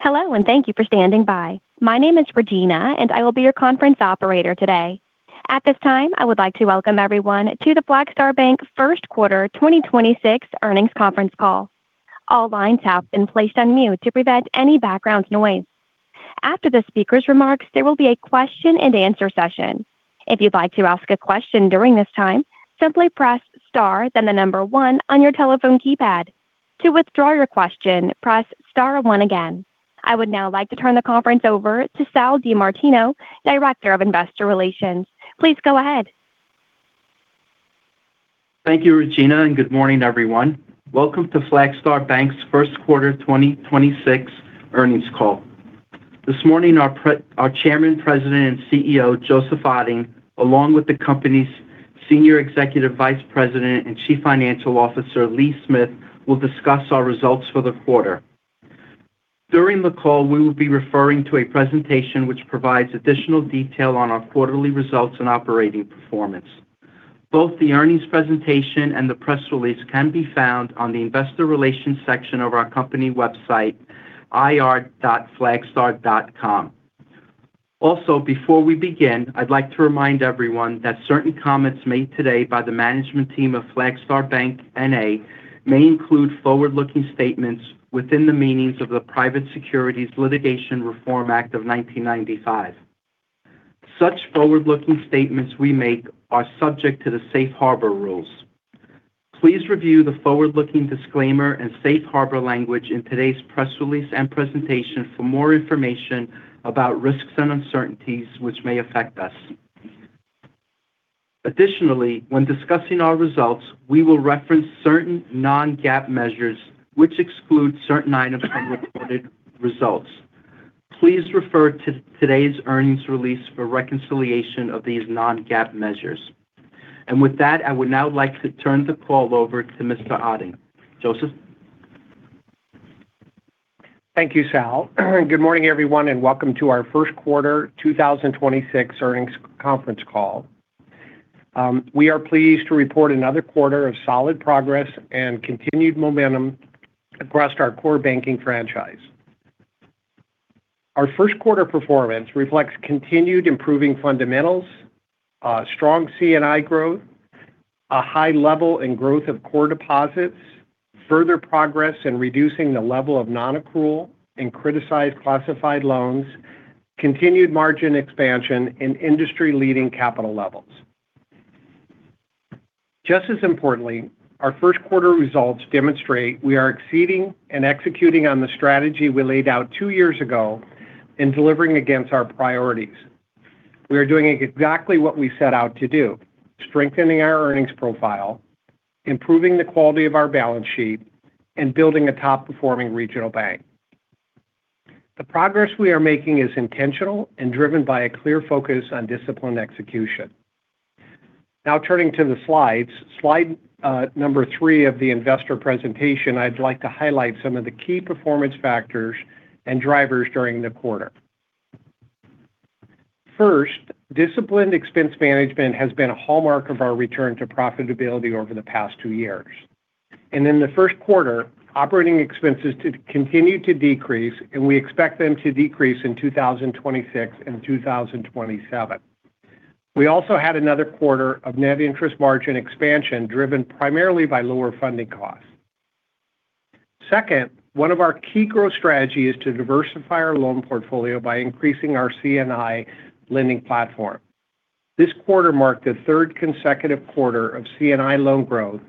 Hello, and thank you for standing by. My name is Regina, and I will be your conference operator today. At this time, I would like to welcome everyone to the Flagstar Bank First Quarter 2026 Earnings Conference Call. All lines have been placed on mute to prevent any background noise. After the speaker's remarks, there will be a question-and-answer session. If you'd like to ask a question during this time, simply press star then the number one on your telephone keypad. To withdraw your question, press star one again. I would now like to turn the conference over to Sal DiMartino, Director of Investor Relations. Please go ahead. Thank you, Regina, and good morning, everyone. Welcome to Flagstar Bank's First Quarter 2026 Earnings Call. This morning, our Chairman, President, and CEO, Joseph Otting, along with the company's Senior Executive Vice President and Chief Financial Officer, Lee Smith, will discuss our results for the quarter. During the call, we will be referring to a presentation which provides additional detail on our quarterly results and operating performance. Both the earnings presentation and the press release can be found on the investor relations section of our company website, ir.flagstar.com. Also, before we begin, I'd like to remind everyone that certain comments made today by the management team of Flagstar Bank, N.A. may include forward-looking statements within the meanings of the Private Securities Litigation Reform Act of 1995. Such forward-looking statements we make are subject to the safe harbor rules. Please review the forward-looking disclaimer and safe harbor language in today's press release and presentation for more information about risks and uncertainties which may affect us. Additionally, when discussing our results, we will reference certain non-GAAP measures which exclude certain items from recorded results. Please refer to today's earnings release for reconciliation of these non-GAAP measures. With that, I would now like to turn the call over to Mr. Otting. Joseph. Thank you, Sal. Good morning, everyone, and welcome to our first quarter 2026 earnings conference call. We are pleased to report another quarter of solid progress and continued momentum across our core banking franchise. Our first quarter performance reflects continued improving fundamentals, strong C&I growth, a high level in growth of core deposits, further progress in reducing the level of nonaccrual and criticized classified loans, continued margin expansion, and industry-leading capital levels. Just as importantly, our first quarter results demonstrate we are exceeding and executing on the strategy we laid out two years ago in delivering against our priorities. We are doing exactly what we set out to do, strengthening our earnings profile, improving the quality of our balance sheet, and building a top-performing regional bank. The progress we are making is intentional and driven by a clear focus on disciplined execution. Now turning to the slides. Slide 3 of the investor presentation, I'd like to highlight some of the key performance factors and drivers during the quarter. First, disciplined expense management has been a hallmark of our return to profitability over the past two years. In the first quarter, operating expenses continued to decrease, and we expect them to decrease in 2026 and 2027. We also had another quarter of net interest margin expansion driven primarily by lower funding costs. Second, one of our key growth strategies is to diversify our loan portfolio by increasing our C&I lending platform. This quarter marked the third consecutive quarter of C&I loan growth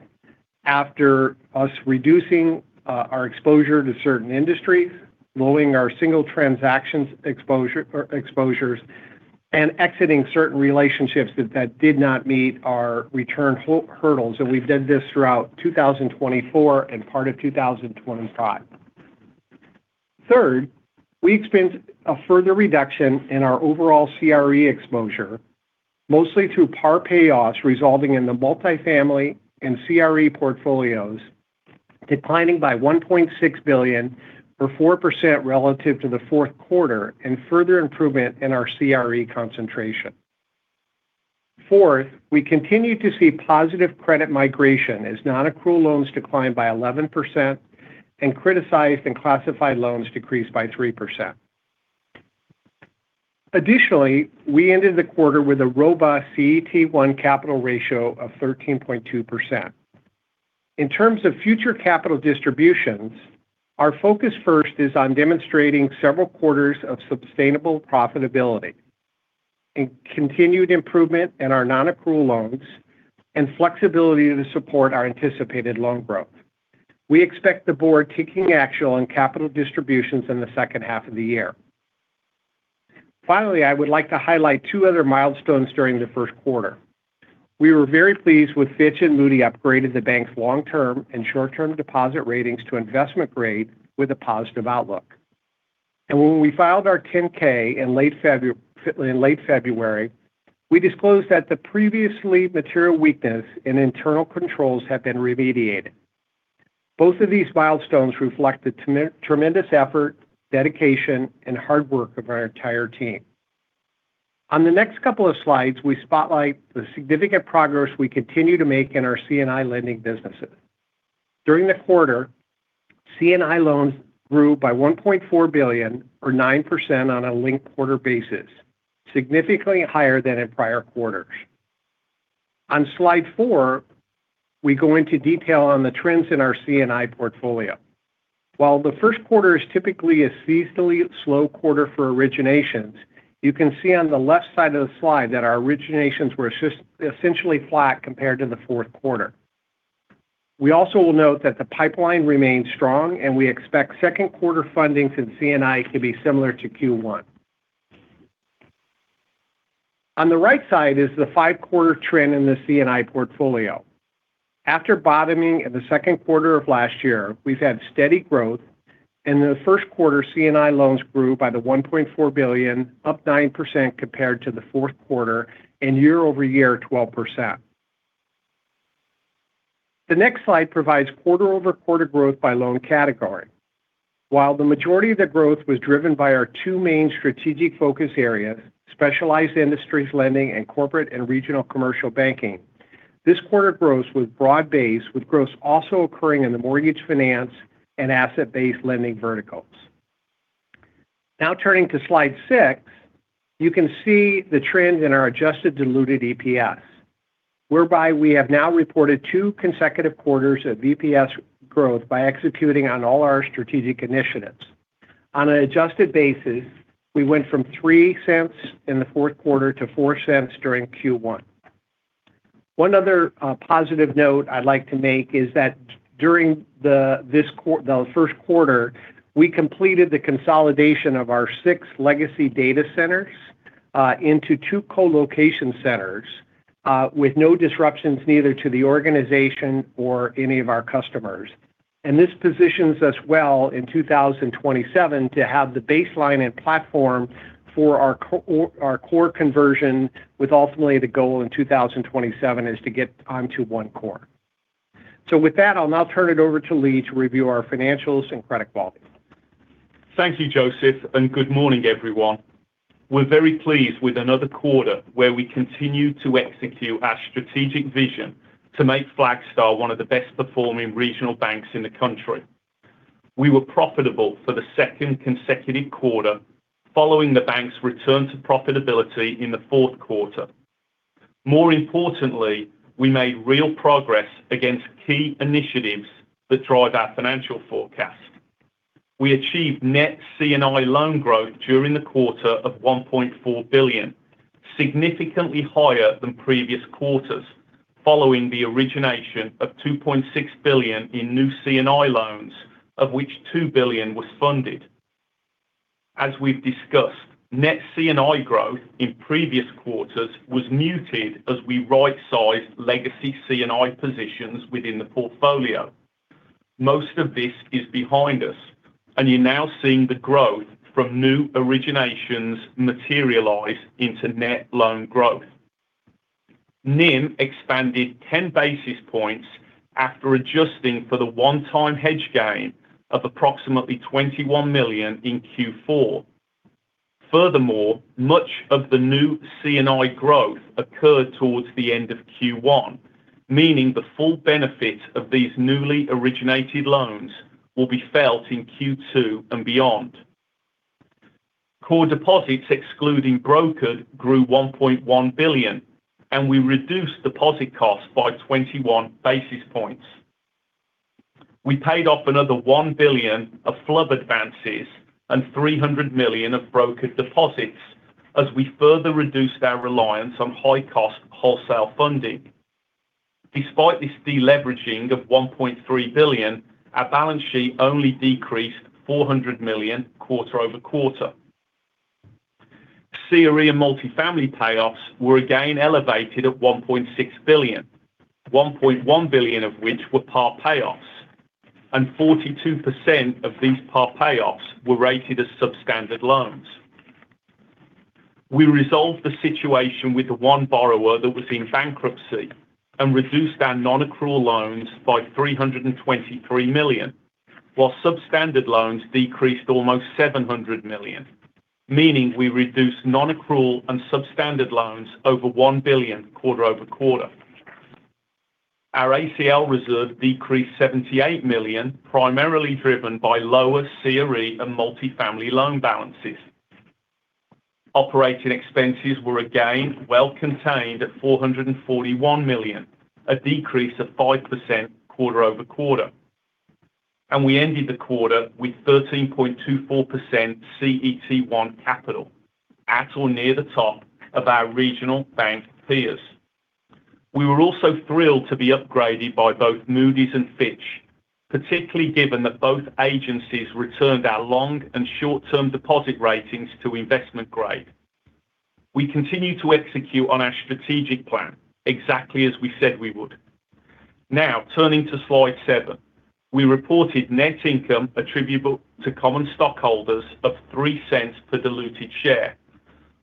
after our reducing our exposure to certain industries, lowering our single transactions exposures, and exiting certain relationships that did not meet our return hurdles, and we've done this throughout 2024 and part of 2025. Third, we experienced a further reduction in our overall CRE exposure, mostly through par payoffs resulting in the multifamily and CRE portfolios declining by $1.6 billion or 4% relative to the fourth quarter and further improvement in our CRE concentration. Fourth, we continue to see positive credit migration as nonaccrual loans declined by 11% and criticized and classified loans decreased by 3%. Additionally, we ended the quarter with a robust CET1 capital ratio of 13.2%. In terms of future capital distributions, our focus first is on demonstrating several quarters of sustainable profitability and continued improvement in our nonaccrual loans and flexibility to support our anticipated loan growth. We expect the board taking action on capital distributions in the second half of the year. Finally, I would like to highlight two other milestones during the first quarter. We were very pleased that Fitch and Moody's upgraded the bank's long-term and short-term deposit ratings to investment grade with a positive outlook. When we filed our 10-K in late February, we disclosed that the previously material weakness in internal controls have been remediated. Both of these milestones reflect the tremendous effort, dedication, and hard work of our entire team. On the next couple of slides, we spotlight the significant progress we continue to make in our C&I lending businesses. During the quarter, C&I loans grew by $1.4 billion, or 9% on a linked-quarter basis, significantly higher than in prior quarters. On Slide 4, we go into detail on the trends in our C&I portfolio. While the first quarter is typically a seasonally slow quarter for originations, you can see on the left side of the slide that our originations were essentially flat compared to the fourth quarter. We also will note that the pipeline remains strong, and we expect second quarter fundings in C&I to be similar to Q1. On the right side is the five-quarter trend in the C&I portfolio. After bottoming in the second quarter of last year, we've had steady growth, and the first quarter C&I loans grew by $1.4 billion, up 9% compared to the fourth quarter, and year over year, 12%. The next slide provides quarter-over-quarter growth by loan category. While the majority of the growth was driven by our two main strategic focus areas, specialized industries lending and corporate and regional commercial banking, this quarter growth was broad-based with growth also occurring in the mortgage finance and asset-based lending verticals. Now turning to Slide 6, you can see the trends in our adjusted diluted EPS, whereby we have now reported two consecutive quarters of EPS growth by executing on all our strategic initiatives. On an adjusted basis, we went from $0.03 in the fourth quarter to $0.04 during Q1. One other positive note I'd like to make is that during the first quarter, we completed the consolidation of our six legacy data centers into two co-location centers with no disruptions neither to the organization or any of our customers. This positions us well in 2027 to have the baseline and platform for our core conversion with ultimately the goal in 2027 is to get onto one core. With that, I'll now turn it over to Lee to review our financials and credit quality. Thank you, Joseph, and good morning, everyone. We're very pleased with another quarter where we continue to execute our strategic vision to make Flagstar one of the best performing regional banks in the country. We were profitable for the second consecutive quarter following the bank's return to profitability in the fourth quarter. More importantly, we made real progress against key initiatives that drive our financial forecast. We achieved net C&I loan growth during the quarter of $1.4 billion, significantly higher than previous quarters, following the origination of $2.6 billion in new C&I loans, of which $2 billion was funded. As we've discussed, net C&I growth in previous quarters was muted as we right-sized legacy C&I positions within the portfolio. Most of this is behind us and you're now seeing the growth from new originations materialize into net loan growth. NIM expanded 10 basis points after adjusting for the one-time hedge gain of approximately $21 million in Q4. Furthermore, much of the new C&I growth occurred towards the end of Q1, meaning the full benefit of these newly originated loans will be felt in Q2 and beyond. Core deposits excluding brokered grew $1.1 billion, and we reduced deposit costs by 21 basis points. We paid off another $1 billion of FHLB advances and $300 million of brokered deposits as we further reduced our reliance on high-cost wholesale funding. Despite this de-leveraging of $1.3 billion, our balance sheet only decreased $400 million quarter-over-quarter. CRE and multifamily payoffs were again elevated at $1.6 billion, $1.1 billion of which were par payoffs, and 42% of these par payoffs were rated as substandard loans. We resolved the situation with the one borrower that was in bankruptcy and reduced our non-accrual loans by $323 million while substandard loans decreased almost $700 million, meaning we reduced non-accrual and substandard loans over $1 billion quarter-over-quarter. Our ACL reserve decreased $78 million, primarily driven by lower CRE and multifamily loan balances. Operating expenses were again well contained at $441 million, a decrease of 5% quarter-over-quarter. We ended the quarter with 13.24% CET1 capital at or near the top of our regional bank peers. We were also thrilled to be upgraded by both Moody's and Fitch, particularly given that both agencies returned our long- and short-term deposit ratings to investment grade. We continue to execute on our strategic plan exactly as we said we would. Now turning to Slide 7. We reported net income attributable to common stockholders of $0.03 per diluted share.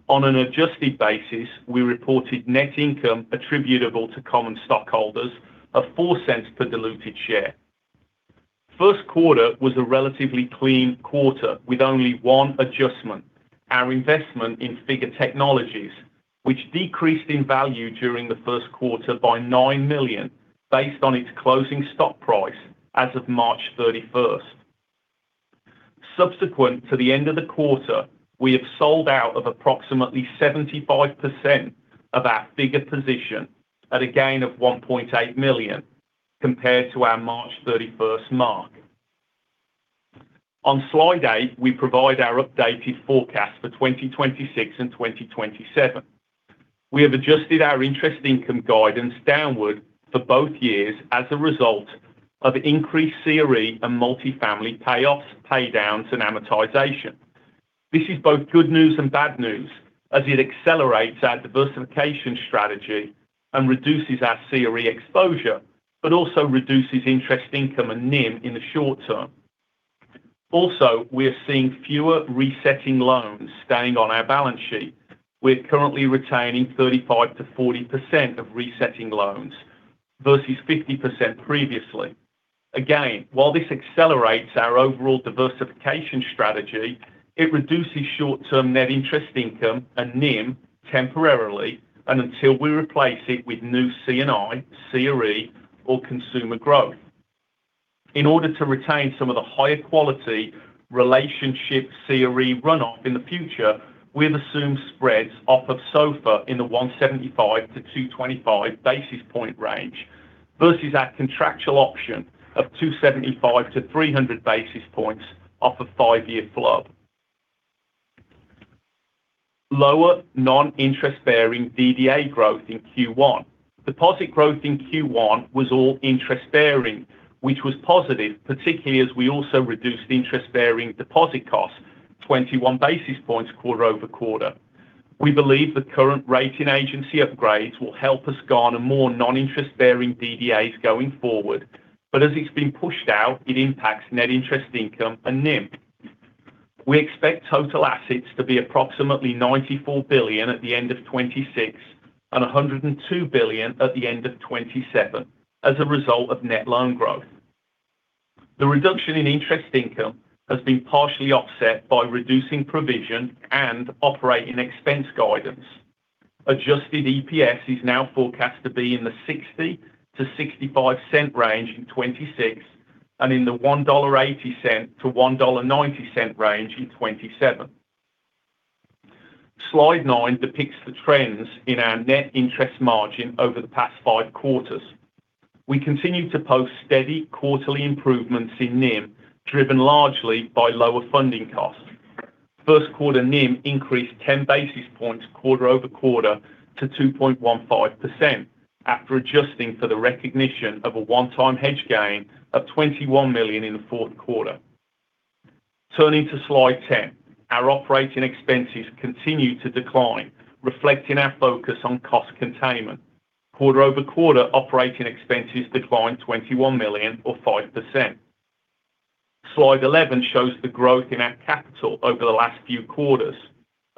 On an adjusted basis, we reported net income attributable to common stockholders of $0.04 per diluted share. First quarter was a relatively clean quarter with only one adjustment, our investment in Figure Technologies, which decreased in value during the first quarter by $9 million based on its closing stock price as of March 31. Subsequent to the end of the quarter, we have sold out of approximately 75% of our Figure position at a gain of $1.8 million compared to our March 31 mark. On Slide 8, we provide our updated forecast for 2026 and 2027. We have adjusted our interest income guidance downward for both years as a result of increased CRE and multifamily payoffs, pay downs, and amortization. This is both good news and bad news as it accelerates our diversification strategy and reduces our CRE exposure but also reduces interest income and NIM in the short term. Also, we're seeing fewer resetting loans staying on our balance sheet. We're currently retaining 35%-40% of resetting loans versus 50% previously. Again, while this accelerates our overall diversification strategy, it reduces short-term net interest income and NIM temporarily and until we replace it with new C&I, CRE, or consumer growth. In order to retain some of the higher quality relationship CRE runoff in the future, we have assumed spreads off of SOFR in the 175-225 basis points range versus our contractual option of 275-300 basis points off of five-year FHLB. Lower non-interest-bearing DDA growth in Q1. Deposit growth in Q1 was all interest-bearing, which was positive, particularly as we also reduced interest-bearing deposit costs 21 basis points quarter-over-quarter. We believe the current rating agency upgrades will help us garner more non-interest-bearing DDAs going forward, but as it's being pushed out, it impacts net interest income and NIM. We expect total assets to be approximately $94 billion at the end of 2026 and $102 billion at the end of 2027 as a result of net loan growth. The reduction in interest income has been partially offset by reducing provision and operating expense guidance. Adjusted EPS is now forecast to be in the $0.60-$0.65 range in 2026 and in the $1.80-$1.90 range in 2027. Slide 9 depicts the trends in our net interest margin over the past five quarters. We continue to post steady quarterly improvements in NIM, driven largely by lower funding costs. First quarter NIM increased 10 basis points quarter-over-quarter to 2.15% after adjusting for the recognition of a one-time hedge gain of $21 million in the fourth quarter. Turning to Slide 10, our operating expenses continued to decline, reflecting our focus on cost containment. Quarter-over-quarter, operating expenses declined $21 million or 5%. Slide 11 shows the growth in our capital over the last few quarters.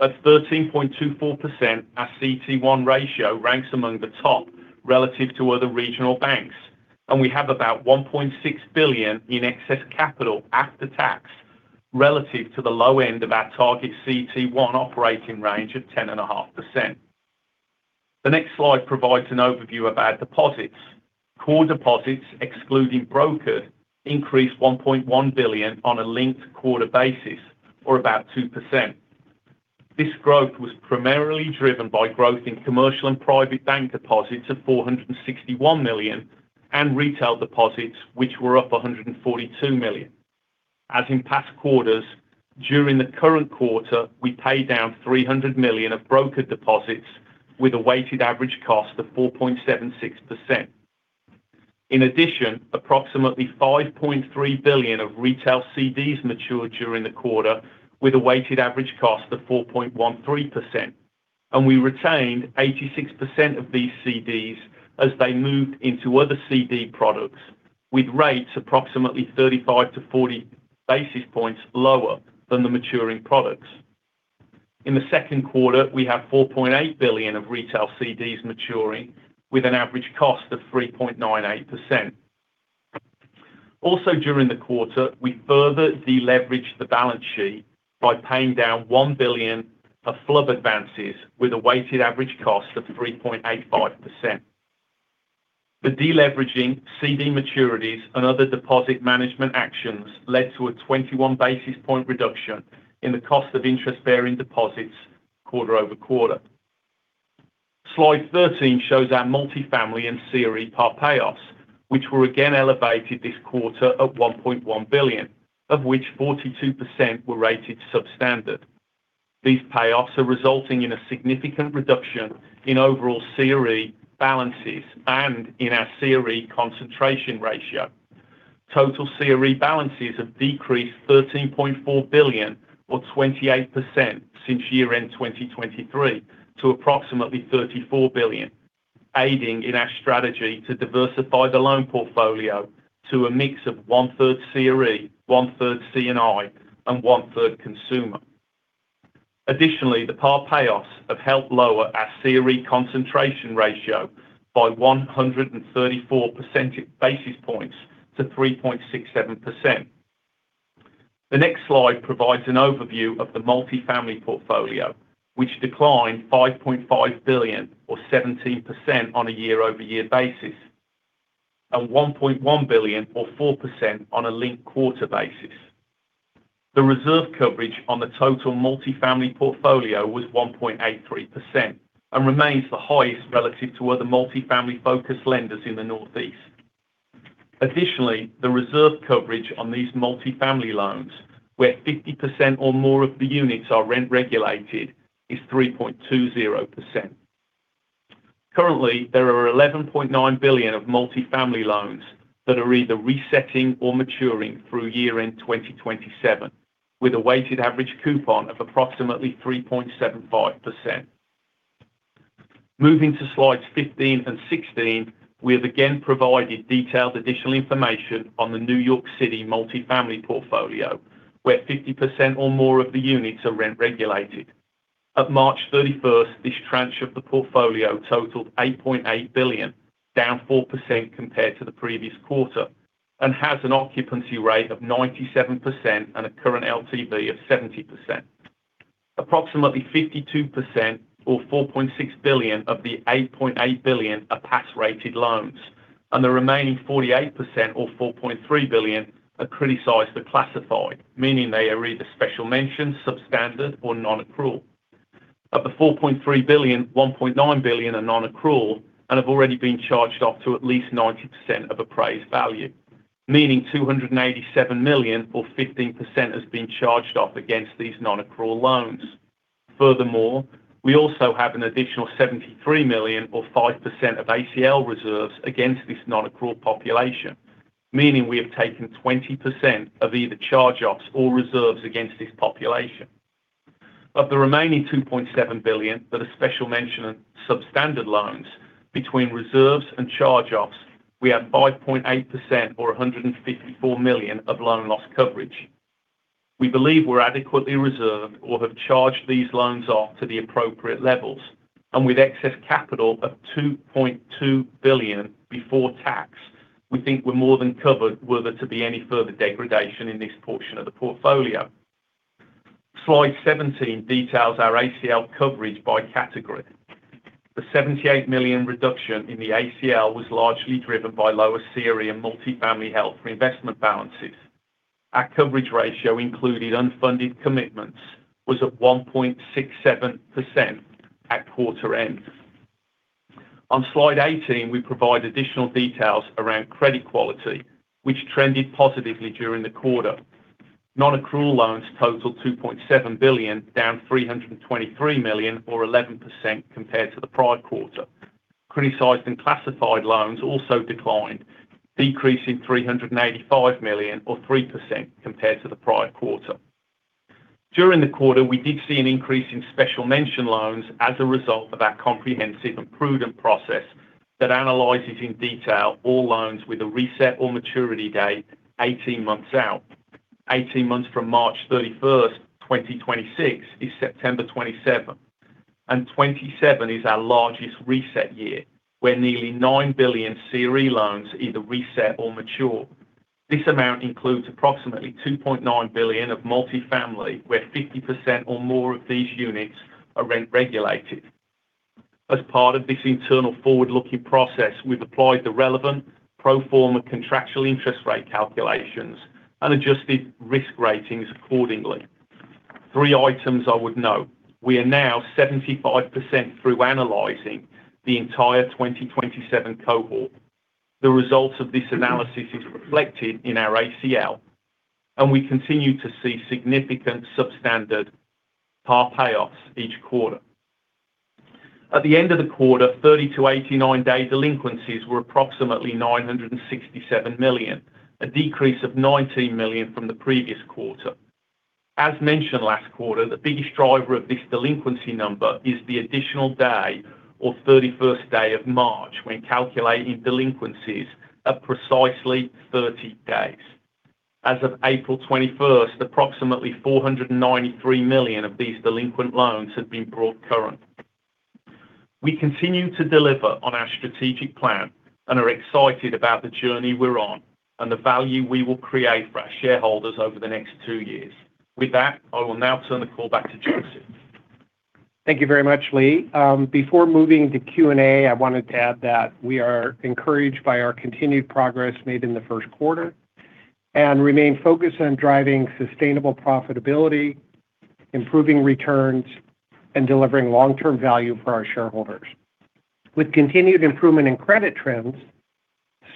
At 13.24%, our CET1 ratio ranks among the top relative to other regional banks, and we have about $1.6 billion in excess capital after tax relative to the low end of our target CET1 operating range of 10.5%. The next slide provides an overview of our deposits. Core deposits, excluding broker, increased $1.1 billion on a linked-quarter basis, or about 2%. This growth was primarily driven by growth in commercial and private bank deposits of $461 million, and retail deposits, which were up $142 million. As in past quarters, during the current quarter, we paid down $300 million of brokered deposits with a weighted average cost of 4.76%. In addition, approximately $5.3 billion of retail CDs matured during the quarter with a weighted average cost of 4.13%. We retained 86% of these CDs as they moved into other CD products, with rates approximately 35-40 basis points lower than the maturing products. In the second quarter, we have $4.8 billion of retail CDs maturing with an average cost of 3.98%. Also during the quarter, we further deleveraged the balance sheet by paying down $1 billion of FHLB advances with a weighted average cost of 3.85%. The deleveraging, CD maturities, and other deposit management actions led to a 21-basis point reduction in the cost of interest-bearing deposits quarter-over-quarter. Slide 13 shows our multifamily and CRE par payoffs, which were again elevated this quarter of $1.1 billion, of which 42% were rated substandard. These payoffs are resulting in a significant reduction in overall CRE balances and in our CRE concentration ratio. Total CRE balances have decreased $13.4 billion or 28% since year-end 2023 to approximately $34 billion, aiding in our strategy to diversify the loan portfolio to a mix of one-third CRE, one-third C&I, and one-third consumer. Additionally, the par payoffs have helped lower our CRE concentration ratio by 134 basis points to 3.67%. The next slide provides an overview of the multifamily portfolio, which declined $5.5 billion or 17% on a year-over-year basis, and $1.1 billion or 4% on a linked-quarter basis. The reserve coverage on the total multifamily portfolio was 1.83% and remains the highest relative to other multifamily-focused lenders in the Northeast. Additionally, the reserve coverage on these multifamily loans, where 50% or more of the units are rent regulated, is 3.20%. Currently, there are $11.9 billion of multifamily loans that are either resetting or maturing through year-end 2027, with a weighted average coupon of approximately 3.75%. Moving to Slides 15 and 16, we have again provided detailed additional information on the New York City multifamily portfolio, where 50% or more of the units are rent regulated. At March 31, this tranche of the portfolio totaled $8.8 billion, down 4% compared to the previous quarter, and has an occupancy rate of 97% and a current LTV of 70%. Approximately 52% or $4.6 billion of the $8.8 billion are pass-rated loans, and the remaining 48% or $4.3 billion are criticized or classified, meaning they are either special mention, substandard, or non-accrual. Of the $4.3 billion, $1.9 billion are non-accrual and have already been charged off to at least 90% of appraised value, meaning $287 million or 15% has been charged off against these non-accrual loans. Furthermore, we also have an additional $73 million or 5% of ACL reserves against this non-accrual population, meaning we have taken 20% of either charge-offs or reserves against this population. Of the remaining $2.7 billion that are special mention and substandard loans between reserves and charge-offs, we have 5.8% or $154 million of loan loss coverage. We believe we're adequately reserved or have charged these loans off to the appropriate levels, and with excess capital of $2.2 billion before tax, we think we're more than covered were there to be any further degradation in this portion of the portfolio. Slide 17 details our ACL coverage by category. The $78 million reduction in the ACL was largely driven by lower CRE and multifamily held for investment balances. Our coverage ratio, including unfunded commitments, was at 1.67% at quarter end. On Slide 18, we provide additional details around credit quality, which trended positively during the quarter. Non-accrual loans totaled $2.7 billion, down $323 million or 11% compared to the prior quarter. Criticized and classified loans also declined, decreasing $385 million or 3% compared to the prior quarter. During the quarter, we did see an increase in special mention loans as a result of our comprehensive and prudent process that analyzes in detail all loans with a reset or maturity date 18 months out. 18 months from March 31, 2026, is September 27, and 2027 is our largest reset year, where nearly $9 billion CRE loans either reset or mature. This amount includes approximately $2.9 billion of multifamily, where 50% or more of these units are rent regulated. As part of this internal forward-looking process, we've applied the relevant pro forma contractual interest rate calculations and adjusted risk ratings accordingly. Three items I would note. We are now 75% through analyzing the entire 2027 cohort. The result of this analysis is reflected in our ACL, and we continue to see significant substandard par payoffs each quarter. At the end of the quarter, 30- to 89-day delinquencies were approximately $967 million, a decrease of $19 million from the previous quarter. As mentioned last quarter, the biggest driver of this delinquency number is the additional day or 31 March when calculating delinquencies of precisely 30 days. As of April 21, approximately $493 million of these delinquent loans have been brought current. We continue to deliver on our strategic plan and are excited about the journey we're on and the value we will create for our shareholders over the next two years. With that, I will now turn the call back to Joseph. Thank you very much, Lee. Before moving to Q&A, I wanted to add that we are encouraged by our continued progress made in the first quarter and remain focused on driving sustainable profitability, improving returns, and delivering long-term value for our shareholders. With continued improvement in credit trends,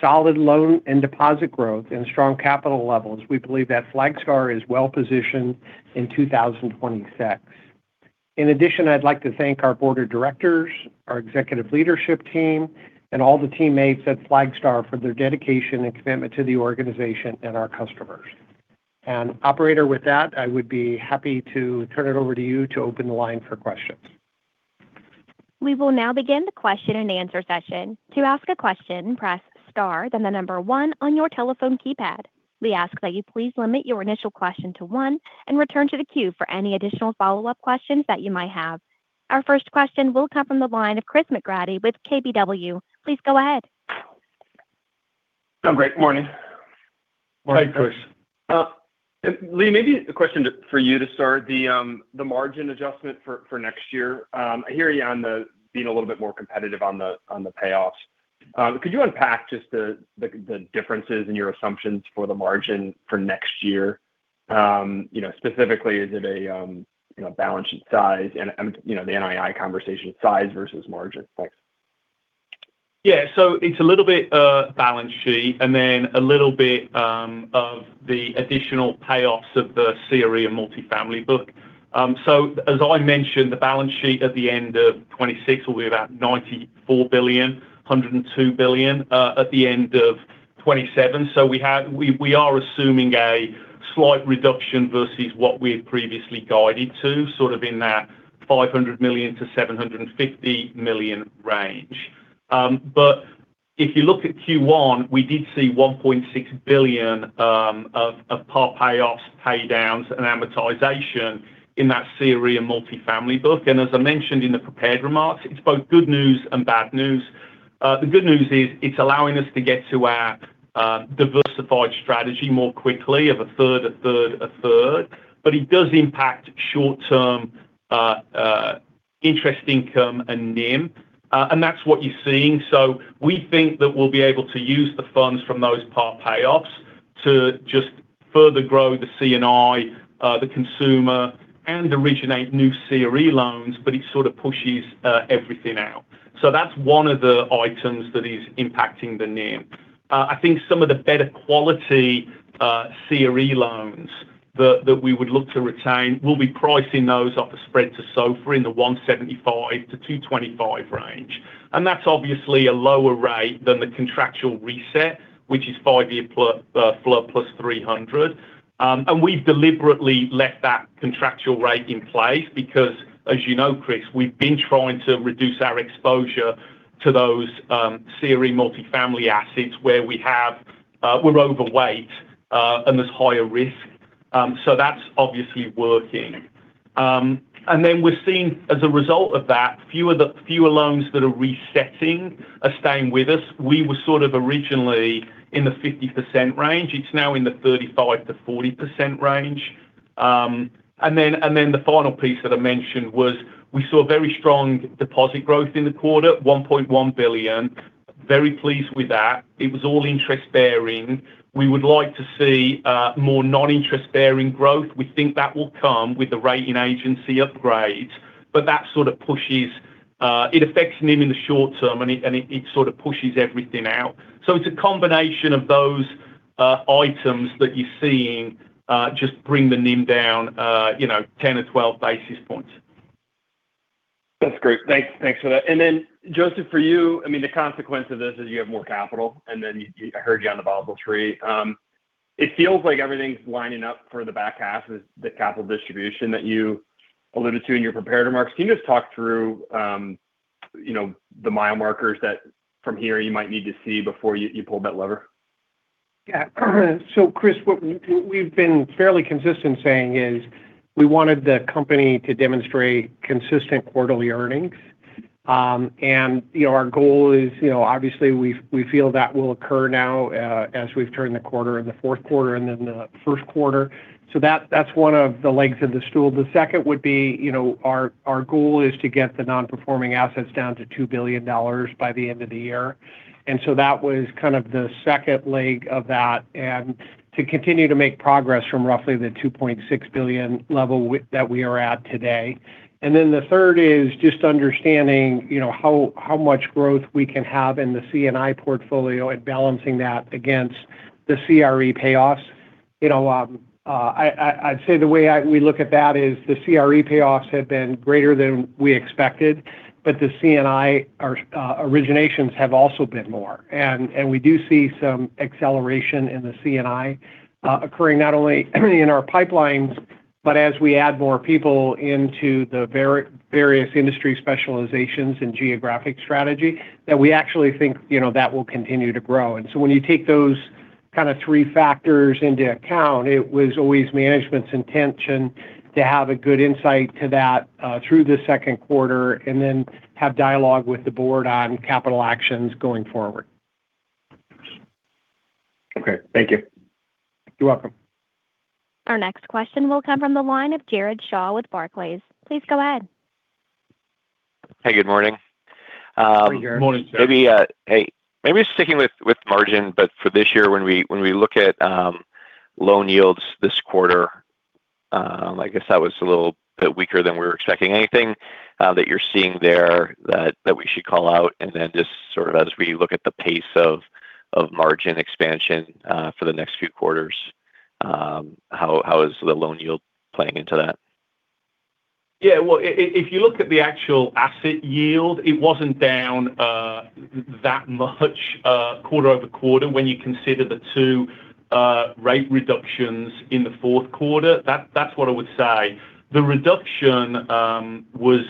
solid loan and deposit growth, and strong capital levels, we believe that Flagstar is well-positioned in 2026. In addition, I'd like to thank our board of directors, our executive leadership team, and all the teammates at Flagstar for their dedication and commitment to the organization and our customers. Operator, with that, I would be happy to turn it over to you to open the line for questions. We will now begin the question and answer session. To ask a question, press star then the number one on your telephone keypad. We ask that you please limit your initial question to one and return to the queue for any additional follow-up questions that you might have. Our first question will come from the line of Chris McGratty with KBW. Please go ahead. Good morning. Hi, Chris. Lee, maybe a question for you to start. The margin adjustment for next year. I hear you on that being a little bit more competitive on the payoffs. Could you unpack just the differences in your assumptions for the margin for next year? Specifically, is it a balance sheet size and the NII deposit size versus margin effect? Yeah. It's a little bit of balance sheet and then a little bit of the additional payoffs of the CRE and multifamily book. As I mentioned, the balance sheet at the end of 2026 will be about $94 billion, $102 billion at the end of 2027. We are assuming a slight reduction versus what we had previously guided to, sort of in that $500 million-$750 million range. If you look at Q1, we did see $1.6 billion of par payoffs, pay downs and amortization in that CRE and multifamily book. As I mentioned in the prepared remarks, it's both good news and bad news. The good news is it's allowing us to get to our diversified strategy more quickly of a third, a third, a third, but it does impact short-term interest income and NIM. That's what you're seeing. We think that we'll be able to use the funds from those par payoffs to just further grow the C&I, the consumer and originate new CRE loans, but it sort of pushes everything out. That's one of the items that is impacting the NIM. I think some of the better quality CRE loans that we would look to retain, we'll be pricing those off the spread to SOFR in the 175-225 range. That's obviously a lower rate than the contractual reset, which is five-year FLOT plus 300. We've deliberately left that contractual rate in place because as you know, Chris, we've been trying to reduce our exposure to those CRE multifamily assets where we're overweight and there's higher risk. That's obviously working. Then we're seeing as a result of that, fewer loans that are resetting are staying with us. We were sort of originally in the 50% range. It's now in the 35%-40% range. Then the final piece that I mentioned was we saw very strong deposit growth in the quarter, $1.1 billion. Very pleased with that. It was all interest-bearing. We would like to see more non-interest-bearing growth. We think that will come with the rating agency upgrades, but that sort of pushes, it affects NIM in the short term, and it sort of pushes everything out. It's a combination of those items that you're seeing just bring the NIM down 10-12 basis points. That's great. Thanks for that. Joseph, for you, I mean the consequence of this is you have more capital and then I heard you on the Basel III. It feels like everything's lining up for the back half of the capital distribution that you alluded to in your prepared remarks. Can you just talk through the milestones that, from here, you might need to see before you pull that lever? Yeah. Chris, what we've been fairly consistent saying is we wanted the company to demonstrate consistent quarterly earnings. Our goal is obviously we feel that will occur now as we've turned the corner in the fourth quarter and then the first quarter. That's one of the legs of the stool. The second would be our goal is to get the non-performing assets down to $2 billion by the end of the year. That was kind of the second leg of that and to continue to make progress from roughly the $2.6 billion level that we are at today. The third is just understanding how much growth we can have in the C&I portfolio and balancing that against the CRE payoffs. I'd say the way we look at that is the CRE payoffs have been greater than we expected, but the C&I originations have also been more. We do see some acceleration in the C&I occurring not only in our pipelines, but as we add more people into the various industry specializations and geographic strategy that we actually think that will continue to grow. When you take that kind of three factors into account, it was always management's intention to have a good insight to that through the second quarter and then have dialogue with the board on capital actions going forward. Okay, thank you. You're welcome. Our next question will come from the line of Jared Shaw with Barclays. Please go ahead. Hey, good morning. Morning, Jared. Morning, sir. Maybe sticking with margin, but for this year when we look at loan yields this quarter, I guess that was a little bit weaker than we were expecting. Anything that you're seeing there that we should call out and then just sort of as we look at the pace of margin expansion for the next few quarters, how is the loan yield playing into that? Yeah. Well, if you look at the actual asset yield, it wasn't down that much quarter-over-quarter when you consider the two rate reductions in the fourth quarter. That's what I would say. The reduction was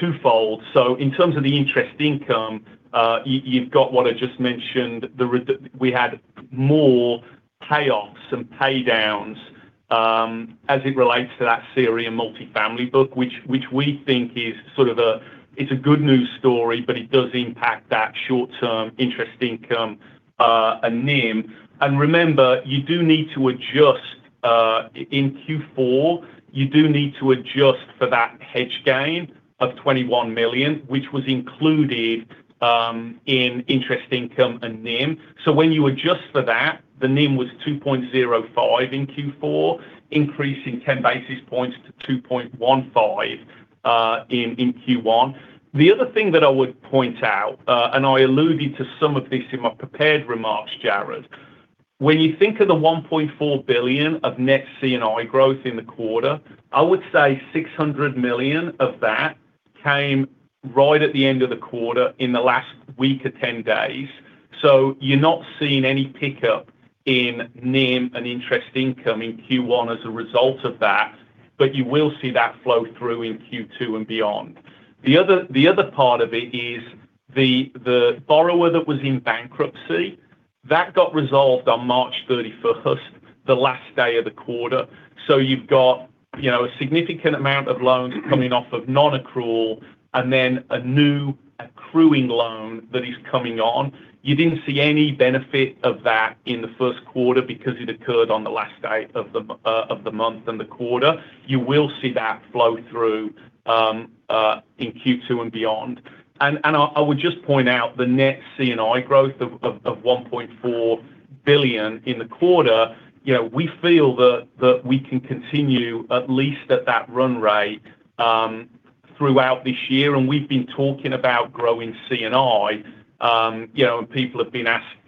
twofold. In terms of the interest income, you've got what I just mentioned. We had more payoffs and pay downs as it relates to that CRE and multifamily book, which we think is a good news story, but it does impact that short-term interest income, and NIM. Remember, in Q4, you do need to adjust for that hedge gain of $21 million, which was included in interest income and NIM. When you adjust for that, the NIM was 2.05 in Q4, increasing 10 basis points to 2.15 in Q1. The other thing that I would point out, and I alluded to some of this in my prepared remarks, Jared. When you think of the $1.4 billion of net C&I growth in the quarter, I would say $600 million of that came right at the end of the quarter in the last week or 10 days. You're not seeing any pickup in NIM and interest income in Q1 as a result of that. You will see that flow through in Q2 and beyond. The other part of it is the borrower that was in bankruptcy, that got resolved on March 31, the last day of the quarter. You've got a significant amount of loans coming off of non-accrual and then a new accruing loan that is coming on. You didn't see any benefit of that in the first quarter because it occurred on the last day of the month and the quarter. You will see that flow through in Q2 and beyond. I would just point out the net C&I growth of $1.4 billion in the quarter. We feel that we can continue at least at that run rate throughout this year. We've been talking about growing C&I, and people have been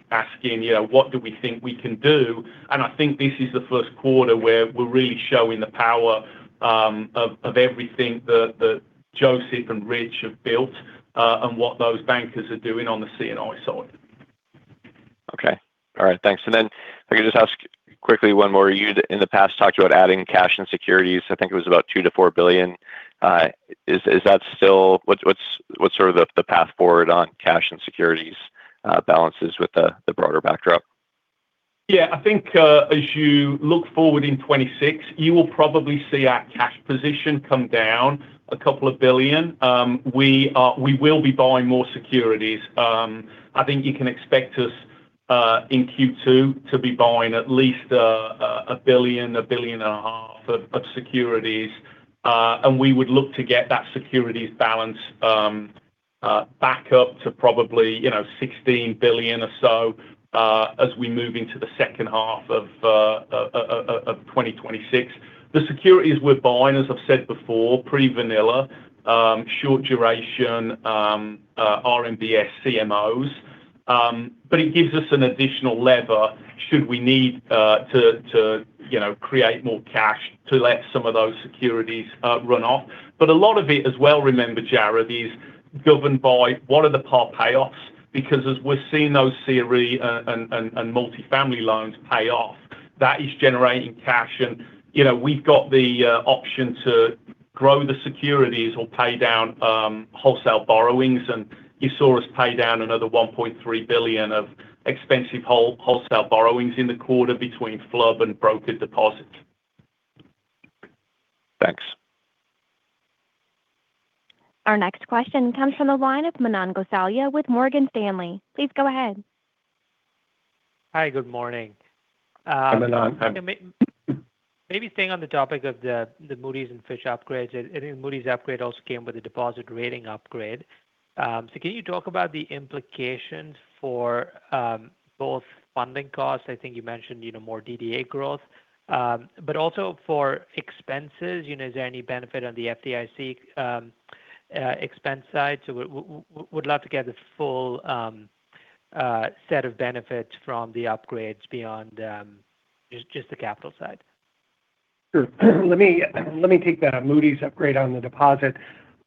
asking what do we think we can do. I think this is the first quarter where we're really showing the power of everything that Joseph and Rich have built and what those bankers are doing on the C&I side. Okay. All right, thanks. If I could just ask quickly one more. You, in the past, talked about adding cash and securities. I think it was about $2 billion-$4 billion. What's sort of the path forward on cash and securities balances with the broader backdrop. Yeah, I think as you look forward in 2026, you will probably see our cash position come down $2 billion. We will be buying more securities. I think you can expect us in Q2 to be buying at least $1 billion-$1.5 billion of securities. We would look to get that securities balance back up to probably $16 billion or so as we move into the second half of 2026. The securities we're buying, as I've said before, pretty vanilla, short duration RMBS CMOs. It gives us an additional lever should we need to create more cash to let some of those securities run off. A lot of it as well, remember, Jared, is governed by what are the par payoffs, because as we're seeing those CRE and multifamily loans pay off, that is generating cash. We've got the option to grow the securities or pay down wholesale borrowings. You saw us pay down another $1.3 billion of expensive wholesale borrowings in the quarter between FHLB and brokered deposits. Thanks. Our next question comes from the line of Manan Gosalia with Morgan Stanley. Please go ahead. Hi, good morning. Hi, Manan. Maybe staying on the topic of the Moody's and Fitch upgrades, I think Moody's upgrade also came with a deposit rating upgrade. Can you talk about the implications for both funding costs, I think you mentioned more DDA growth, but also for expenses? Is there any benefit on the FDIC expense side? Would love to get the full set of benefits from the upgrades beyond just the capital side. Sure. Let me take that. Moody's upgrade on the deposit.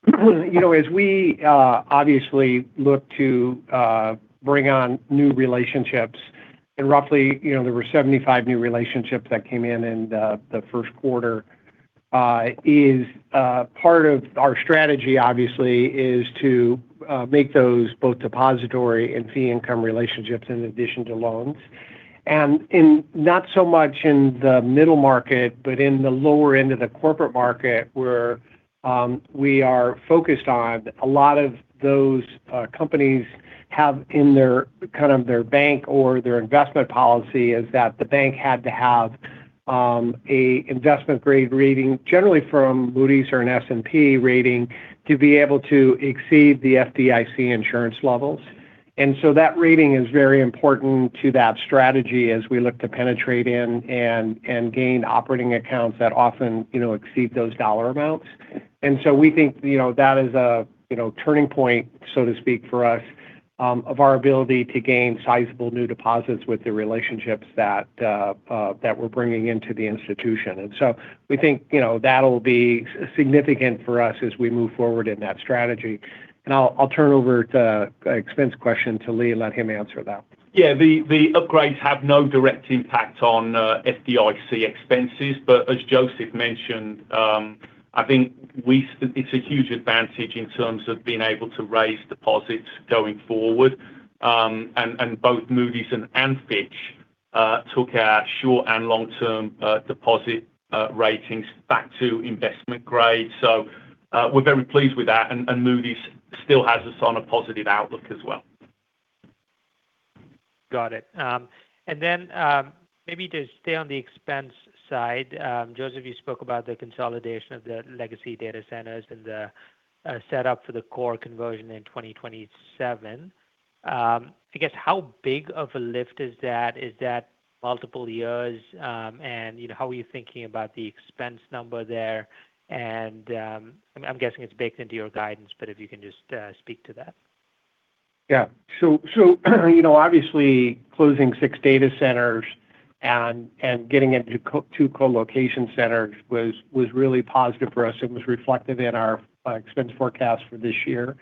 As we obviously look to bring on new relationships, and roughly there were 75 new relationships that came in in the first quarter, part of our strategy, obviously, is to make those both depository and fee income relationships in addition to loans. Not so much in the middle market, but in the lower end of the corporate market where we are focused on a lot of those companies have in their bank or their investment policy is that the bank had to have an investment-grade rating, generally from Moody's or an S&P rating, to be able to exceed the FDIC insurance levels. That rating is very important to that strategy as we look to penetrate in and gain operating accounts that often exceed those dollar amounts. We think that is a turning point, so to speak, for us of our ability to gain sizable new deposits with the relationships that we're bringing into the institution. We think that'll be significant for us as we move forward in that strategy. I'll turn over the expense question to Lee and let him answer that. Yeah. The upgrades have no direct impact on FDIC expenses. As Joseph mentioned, I think it's a huge advantage in terms of being able to raise deposits going forward. Both Moody's and Fitch took our short and long-term deposit ratings back to investment grade. We're very pleased with that. Moody's still has us on a positive outlook as well. Got it. Maybe to stay on the expense side, Joseph, you spoke about the consolidation of the legacy data centers and the set up for the core conversion in 2027. I guess how big of a lift is that? Is that multiple years? How are you thinking about the expense number there? I'm guessing it's baked into your guidance, but if you can just speak to that. Yeah. Obviously closing six data centers and getting it to two co-location centers was really positive for us and was reflected in our expense forecast for this year.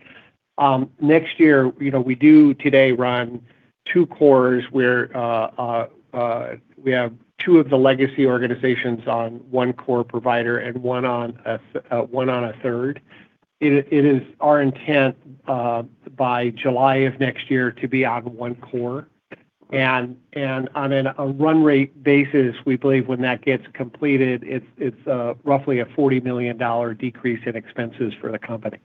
Next year, we currently run two cores where we have two of the legacy organizations on one core provider and one on a third. It is our intent by July of next year to be on one core. On a run rate basis, we believe when that gets completed, it's roughly a $40 million decrease in expenses for the company.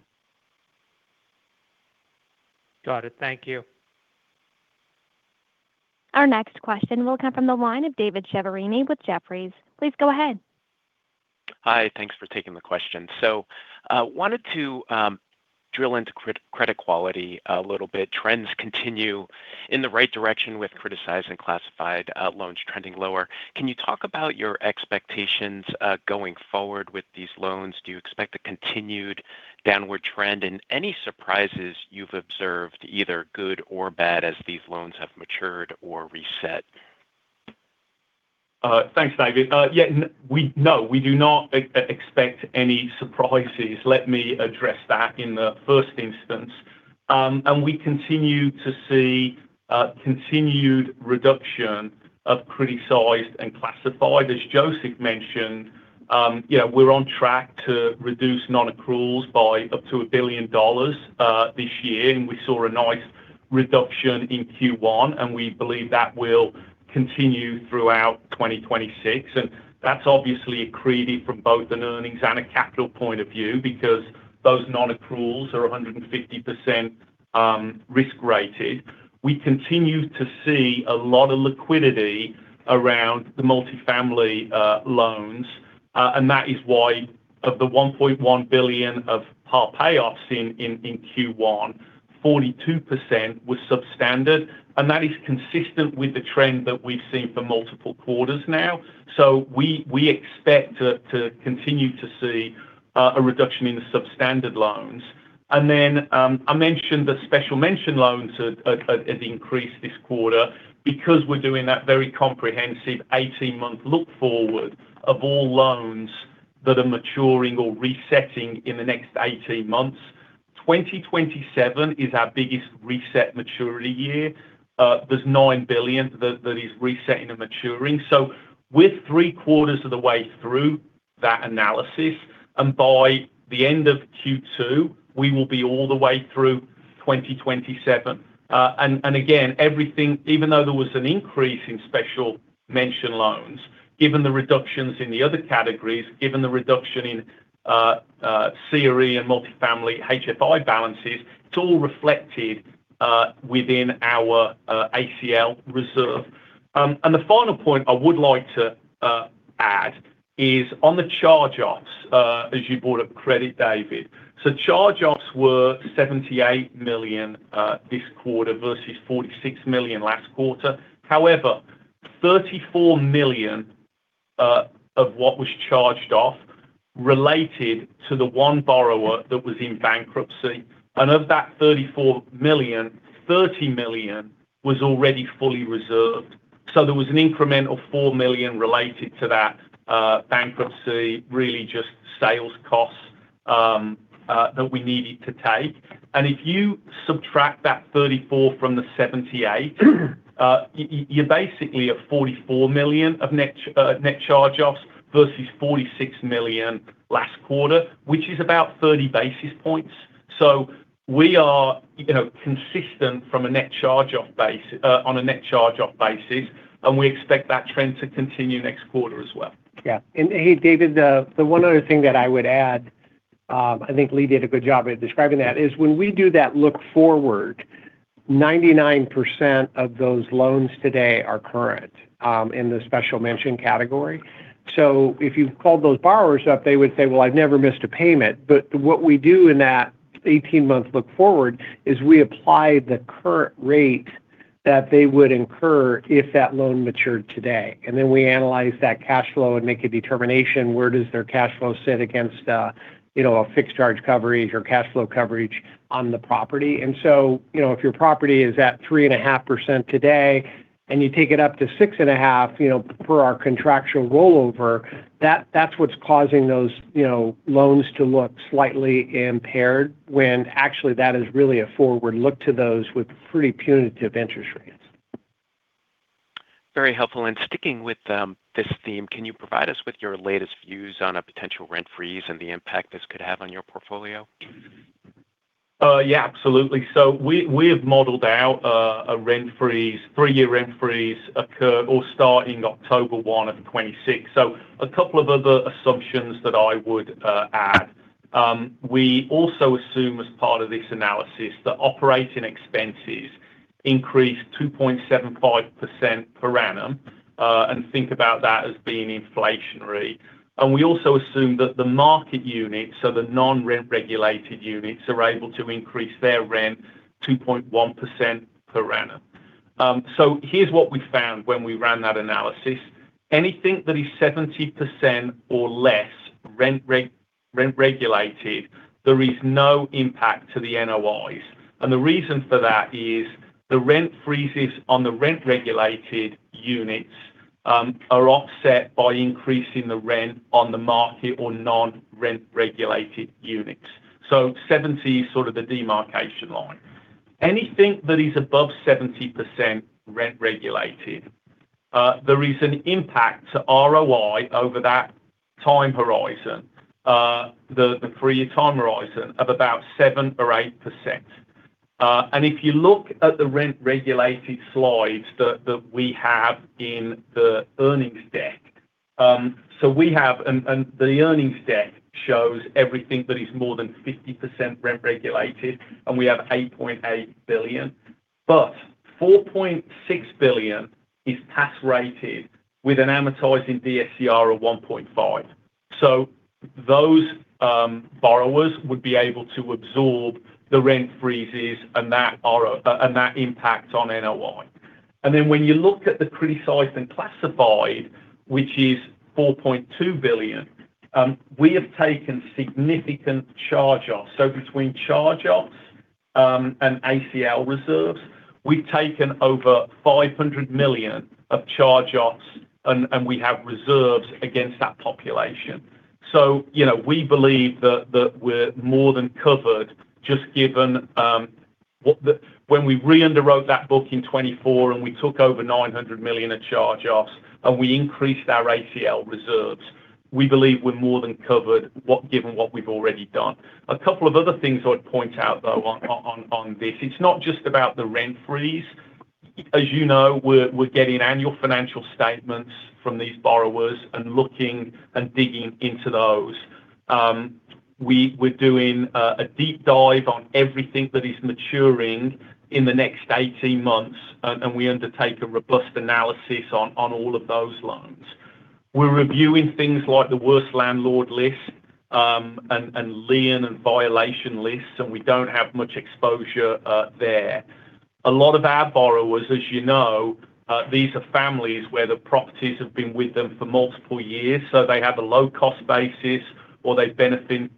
Got it. Thank you. Our next question will come from the line of David Chiaverini with Jefferies. Please go ahead. Hi, thanks for taking the question. Wanted to drill into credit quality a little bit. Trends continue in the right direction with criticized and classified loans trending lower. Can you talk about your expectations going forward with these loans? Do you expect a continued downward trend? Any surprises you've observed, either good or bad, as these loans have matured or reset? Thanks, David. Yeah. No, we do not expect any surprises. Let me address that in the first instance. We continue to see continued reduction of criticized and classified. As Joseph mentioned, we're on track to reduce non-accruals by up to $1 billion this year. We saw a nice reduction in Q1, and we believe that will continue throughout 2026. That's obviously accretive from both an earnings and a capital point of view because those non-accruals are 150% risk rated. We continue to see a lot of liquidity around the multi-family loans, and that is why of the $1.1 billion of par payoffs in Q1, 42% was substandard. That is consistent with the trend that we've seen for multiple quarters now. We expect to continue to see a reduction in the substandard loans. Then I mentioned the special mention loans had increased this quarter because we're doing that very comprehensive 18-month look-forward of all loans that are maturing or resetting in the next 18 months. 2027 is our biggest reset maturity year. There's $9 billion that is resetting and maturing. We're three-quarters of the way through that analysis, and by the end of Q2, we will be all the way through 2027. Again, even though there was an increase in special mention loans, given the reductions in the other categories, given the reduction in CRE and multi-family HFI balances, it's all reflected within our ACL reserve. The final point I would like to add is on the charge-offs as you brought up credit, David. Charge-offs were $78 million this quarter versus $46 million last quarter. However, $34 million of what was charged off related to the one borrower that was in bankruptcy. Of that $34 million, $30 million was already fully reserved. There was an incremental $4 million related to that bankruptcy, really just sales costs that we needed to take. If you subtract that 34 from the 78, you're basically at $44 million of net charge-offs versus $46 million last quarter, which is about 30 basis points. We are consistent on a net charge-off basis, and we expect that trend to continue next quarter as well. Yeah. Hey, David, the one other thing that I would add, I think Lee did a good job at describing that, is when we do that look-forward, 99% of those loans today are current in the special mention category. If you called those borrowers up, they would say, "Well, I've never missed a payment." What we do in that 18-month look-forward is we apply the current rate that they would incur if that loan matured today. Then we analyze that cash flow and make a determination where does their cash flow sit against a fixed charge coverage or cash flow coverage on the property. If your property is at 3.5% today and you take it up to 6.5% per our contractual rollover, that's what's causing those loans to look slightly impaired, when actually that is really a forward look to those with pretty punitive interest rates. Very helpful. Sticking with this theme, can you provide us with your latest views on a potential rent freeze and the impact this could have on your portfolio? Yeah, absolutely. We have modeled out a rent freeze, three-year rent freeze occur or start in October 1 of 2026. A couple of other assumptions that I would add. We also assume as part of this analysis that operating expenses increase 2.75% per annum, and think about that as being inflationary. We also assume that the market units, so the non-rent-regulated units, are able to increase their rent 2.1% per annum. Here's what we found when we ran that analysis. Anything that is 70% or less rent-regulated, there is no impact to the NOIs. The reason for that is the rent freezes on the rent-regulated units are offset by increasing the rent on the market or non-rent-regulated units. 70 is sort of the demarcation line. Anything that is above 70% rent regulated, there is an impact to ROI over that time horizon, the three-year time horizon, of about 7% or 8%. If you look at the rent-regulated slides that we have in the earnings deck, the earnings deck shows everything that is more than 50% rent regulated, and we have $8.8 billion, but $4.6 billion is tax rated with an amortizing DSCR of 1.5. Those borrowers would be able to absorb the rent freezes and that impact on NOI. When you look at the criticized and classified, which is $4.2 billion, we have taken significant charge-offs. Between charge-offs and ACL reserves, we've taken over $500 million of charge-offs, and we have reserves against that population. We believe that we're more than covered just given when we re-underwrote that book in 2024, and we took over $900 million of charge-offs, and we increased our ACL reserves. We believe we're more than covered given what we've already done. A couple of other things I'd point out, though, on this. It's not just about the rent freeze. As you know, we're getting annual financial statements from these borrowers and looking and digging into those. We're doing a deep dive on everything that is maturing in the next 18 months, and we undertake a robust analysis on all of those loans. We're reviewing things like the worst landlord list, and lien and violation lists, and we don't have much exposure there. A lot of our borrowers, as you know, these are families where the properties have been with them for multiple years, so they have a low-cost basis, or they benefited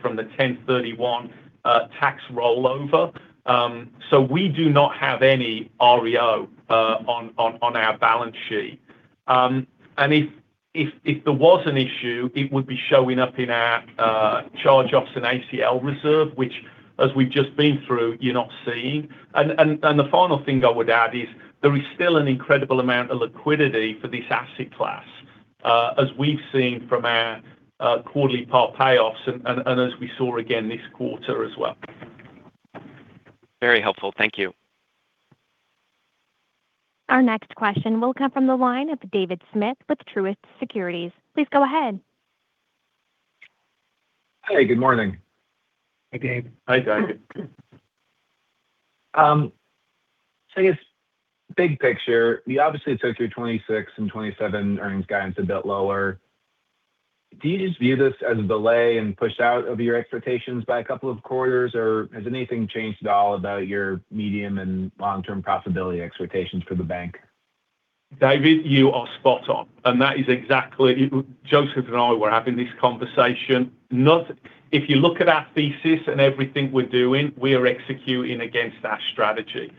from the 1031 tax rollover. We do not have any REO on our balance sheet. If there was an issue, it would be showing up in our charge-offs and ACL reserve, which as we've just been through, you're not seeing. The final thing I would add is there is still an incredible amount of liquidity for this asset class. As we've seen from our quarterly par payoffs and as we saw again this quarter as well. Very helpful. Thank you. Our next question will come from the line of David Smith with Truist Securities. Please go ahead. Hey, good morning. Hey, Dave. Hi, David. I guess big picture, you obviously took your 2026 and 2027 earnings guidance a bit lower. Do you just view this as a delay and push out of your expectations by a couple of quarters? Or has anything changed at all about your medium and long-term profitability expectations for the bank? David, you are spot on. That is exactly. Joseph and I were having this conversation. If you look at our thesis and everything we're doing, we are executing against our strategy.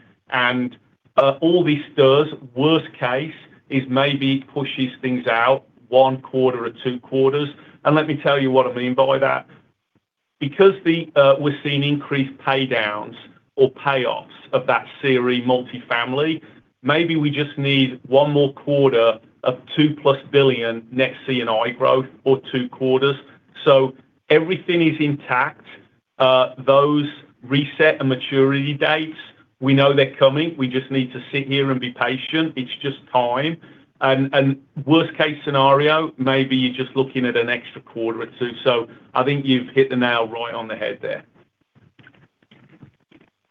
All this does, worst case, is maybe pushes things out one quarter or two quarters. Let me tell you what I mean by that. Because we're seeing increased pay downs or payoffs of that CRE multi-family, maybe we just need one more quarter of $2+ billion next C&I growth or two quarters. Everything is intact. Those reset and maturity dates, we know they're coming. We just need to sit here and be patient. It's just time. Worst case scenario, maybe you're just looking at an extra quarter or two. I think you've hit the nail right on the head there.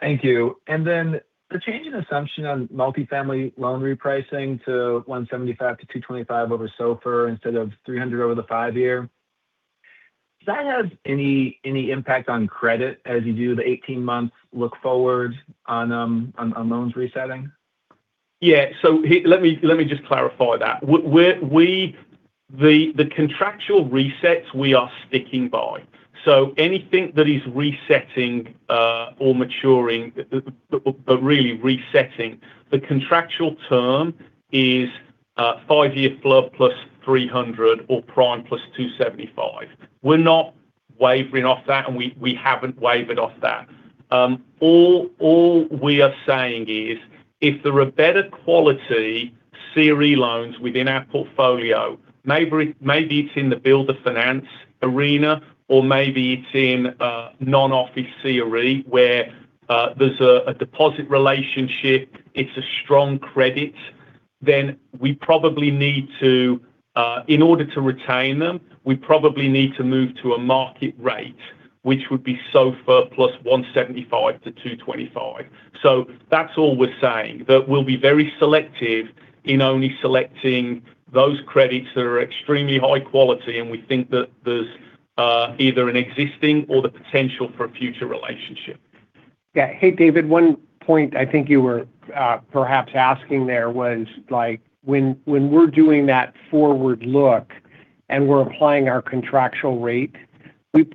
Thank you. The change in assumption on multi-family loan repricing to 175-225 over SOFR instead of 300 over the five-year. Does that have any impact on credit as you do the 18 months look forward on loans resetting? Yeah. Let me just clarify that. The contractual resets we are sticking by. Anything that is resetting or maturing, but really resetting the contractual term is a five-year FHLB plus 300 or prime plus 275. We're not wavering off that, and we haven't wavered off that. All we are saying is if there are better quality CRE loans within our portfolio, maybe it's in the builder finance arena, or maybe it's in non-office CRE, where there's a deposit relationship, it's a strong credit. In order to retain them, we probably need to move to a market rate, which would be SOFR plus 175-225. That's all we're saying that we'll be very selective in only selecting those credits that are extremely high quality, and we think that there's either an existing or the potential for a future relationship. Yeah. Hey, David, one point I think you were perhaps asking there was when we're doing that forward look and we're applying our contractual rate,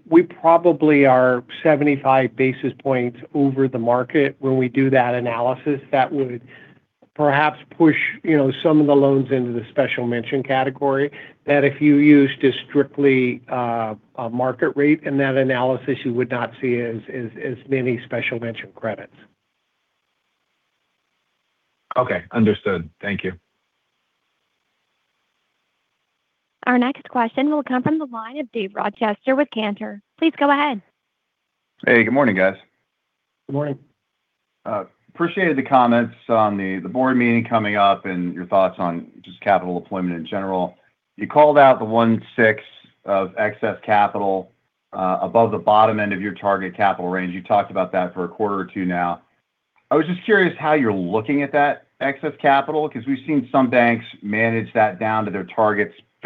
we probably are 75 basis points over the market when we do that analysis that would perhaps push some of the loans into the special mention category. That, if you used a strictly market rate in that analysis, you would not see as many special mentions credits. Okay, understood. Thank you. Our next question will come from the line of Dave Rochester with Cantor. Please go ahead. Hey, good morning, guys. Good morning. appreciated the comments on the board meeting coming up and your thoughts on just capital deployment in general. You called out the $1.6 billion of excess capital above the bottom end of your target capital range. You talked about that for a quarter or two now. I was just curious how you're looking at that excess capital because we've seen some banks manage that down to their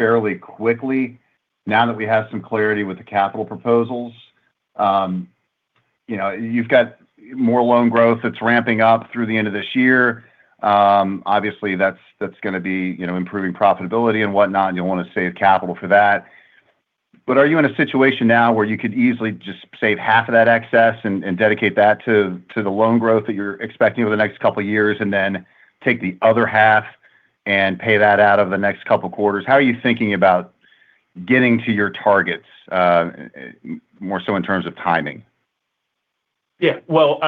targets fairly quickly now that we have some clarity with the capital proposals. You've got more loan growth that's ramping up through the end of this year. Obviously, that's going to be improving profitability and whatnot, and you'll want to save capital for that. Are you in a situation now where you could easily just save half of that excess and dedicate that to the loan growth that you're expecting over the next couple of years, and then take the other half and pay that out of the next couple of quarters? How are you thinking about getting to your targets more so in terms of timing? Yeah. Well,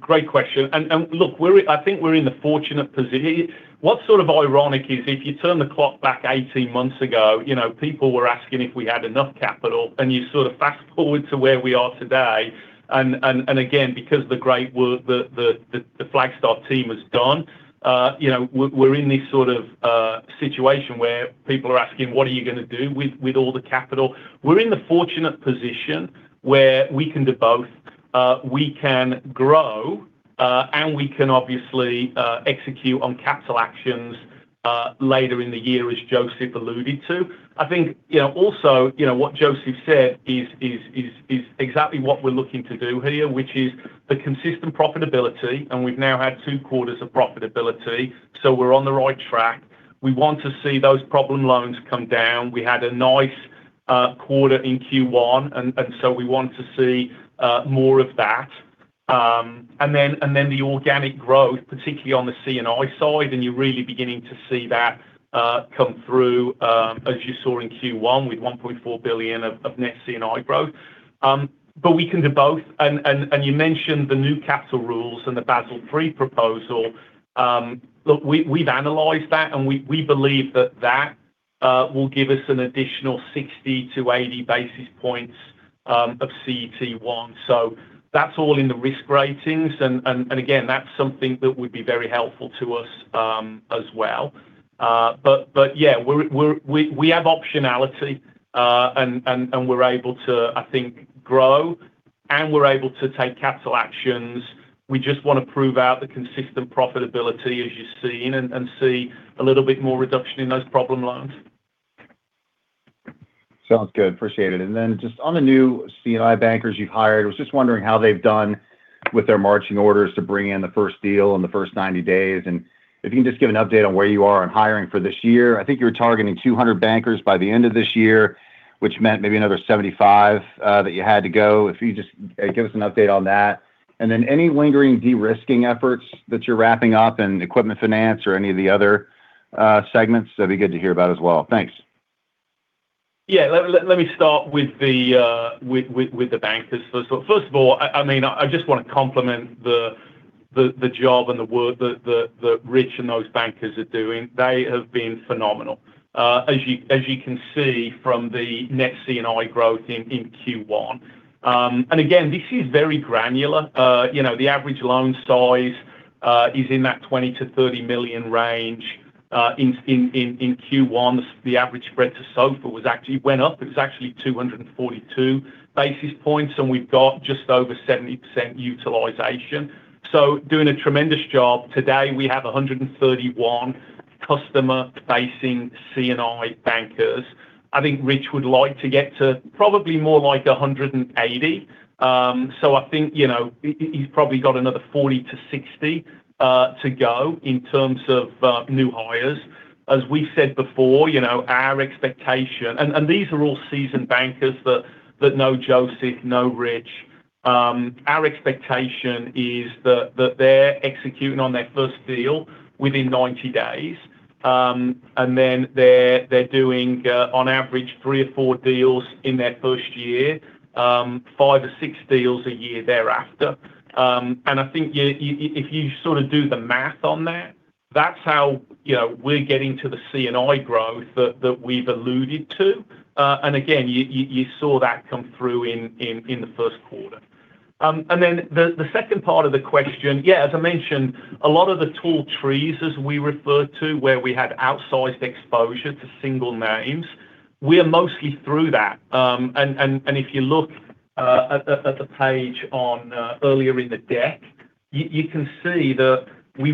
great question. Look, I think we're in the fortunate position. What's sort of ironic is if you turn the clock back 18 months ago, people were asking if we had enough capital, and you sort of fast-forward to where we are today, and again, because of the great work the Flagstar team has done, we're in this sort of situation where people are asking, "What are you going to do with all the capital?" We're in the fortunate position where we can do both. We can grow, and we can obviously execute on capital actions later in the year, as Joseph alluded to. I think also what Joseph said is exactly what we're looking to do here, which is the consistent profitability, and we've now had two quarters of profitability, so we're on the right track. We want to see those problem loans come down. We had a nice quarter in Q1, and so we want to see more of that. Then the organic growth, particularly on the C&I side, and you're really beginning to see that come through as you saw in Q1 with $1.4 billion of net C&I growth. We can do both. You mentioned the new capital rules and the Basel III proposal. Look, we've analyzed that, and we believe that that will give us an additional 60-80 basis points of CET1. That's all in the risk ratings, and again, that's something that would be very helpful to us as well. Yeah, we have optionality, and we're able to, I think, grow, and we're able to take capital actions. We just want to prove out the consistent profitability as you've seen and see a little bit more reduction in those problem loans. Sounds good. Appreciate it. Just on the new C&I bankers you've hired, I was just wondering how they've done with their marching orders to bring in the first deal in the first 90 days, and if you can just give an update on where you are on hiring for this year. I think you were targeting 200 bankers by the end of this year, which meant maybe another 75 that you had to go. If you just give us an update on that. Any lingering de-risking efforts that you're wrapping up in equipment finance or any of the other segments, that'd be good to hear about as well. Thanks. Yeah. Let me start with the bankers. First of all, I just want to compliment the job and the work that Rich and those bankers are doing. They have been phenomenal. As you can see from the net C&I growth in Q1. Again, this is very granular. The average loan size is in that $20-$30 million range in Q1. The average spread to SOFR actually went up. It was actually 242 basis points, and we've got just over 70% utilization. So, doing a tremendous job. Today, we have 131 customer-facing C&I bankers. I think Rich would like to get to probably more like 180. So, I think, he's probably got another 40-60 to go in terms of new hires. As we said before, our expectation and these are all seasoned bankers that know Joseph, know Rich. Our expectation is that they're executing on their first deal within 90 days. Then they're doing, on average, three or four deals in their first year, five or six deals a year thereafter. I think if you do the math on that's how we're getting to the C&I growth that we've alluded to. Again, you saw that come through in the first quarter. Then the second part of the question. Yeah, as I mentioned, a lot of the tall trees, as we referred to, where we had outsized exposure to single names, we are mostly through that. If you look at the page on earlier in the deck, you can see that we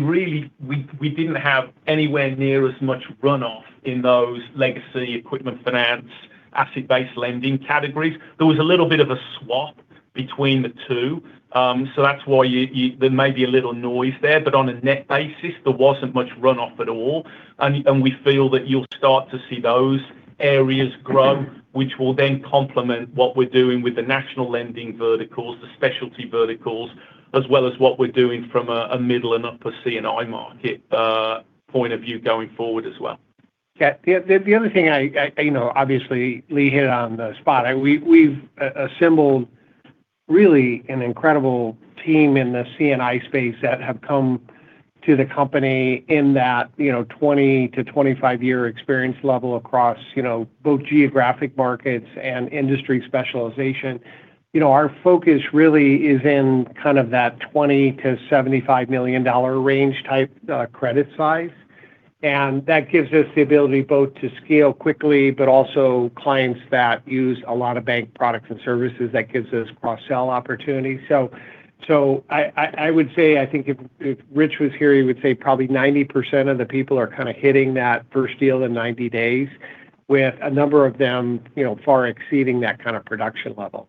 didn't have anywhere near as much runoff in those legacy equipment finance, asset-based lending categories. There was a little bit of a swap between the two. That's why there may be a little noise there. On a net basis, there wasn't much runoff at all. We feel that you'll start to see those areas grow, which will then complement what we're doing with the national lending verticals, the specialty verticals, as well as what we're doing from a middle and upper C&I market point of view going forward as well. Yeah. The other thing, obviously, Lee hit it on the spot. We've assembled really an incredible team in the C&I space that have come to the company in that 20-25-year experience level across both geographic markets and industry specialization. Our focus really is in kind of that $20 million-$75 million range type credit size. That gives us the ability both to scale quickly, but also clients that use a lot of bank products and services, that gives us cross-sell opportunities. I would say, I think if Rich was here, he would say probably 90% of the people are kind of hitting that first deal in 90 days, with a number of them far exceeding that kind of production level.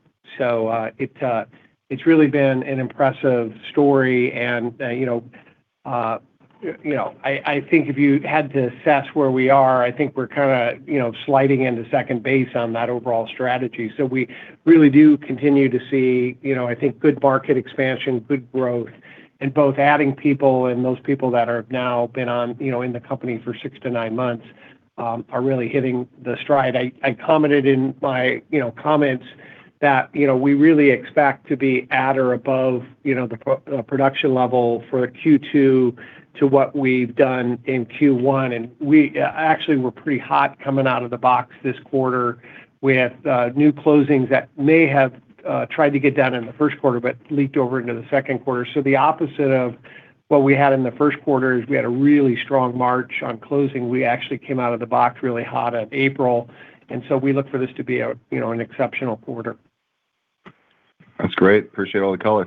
It's really been an impressive story, and I think if you had to assess where we are, I think we're kind of sliding into second based on that overall strategy. We really do continue to see I think good market expansion, good growth in both adding people and those people that have now been in the company for six to nine months are really hitting their stride. I commented in my comments that we really expect to be at or above the production level for Q2 to what we've done in Q1, and we actually were pretty hot coming out of the box this quarter with new closings that may have tried to get done in the first quarter but leaked over into the second quarter. The opposite of what we had in the first quarter is we had a really strong March on closing. We actually came out of the box really hot in April. We look for this to be an exceptional quarter. That's great. Appreciate all the color.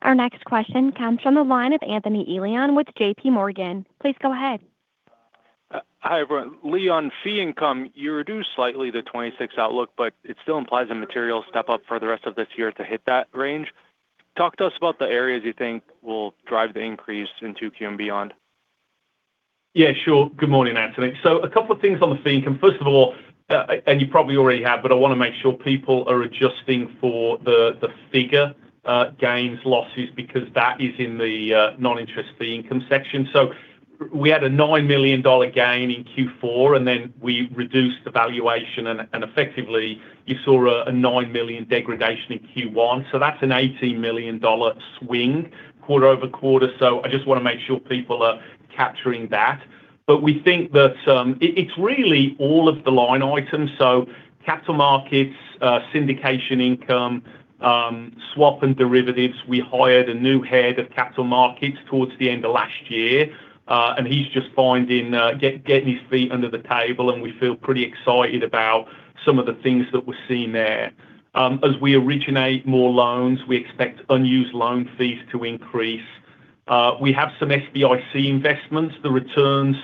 Thanks. Our next question comes from the line of Anthony Elian with J.P. Morgan. Please go ahead. Hi, everyone. Lee, on fee income, you reduced slightly the 2026 outlook, but it still implies a material step up for the rest of this year to hit that range. Talk to us about the areas you think will drive the increase into Q and beyond? Yeah, sure. Good morning, Anthony. A couple of things on the fee income. First of all, and you probably already have, but I want to make sure people are adjusting for the Figure gains, losses, because that is in the non-interest fee income section. We had a $9 million gain in Q4, and then we reduced the valuation, and effectively you saw a $9 million degradation in Q1. That's an $18 million swing quarter-over-quarter. I just want to make sure people are capturing that. We think that it's really all of the line items. Capital markets, syndication income, swaps and derivatives. We hired a new head of capital markets towards the end of last year. He's just getting his feet under the table, and we feel pretty excited about some of the things that we're seeing there. As we originate more loans, we expect unused loan fees to increase. We have some SBIC investments. The returns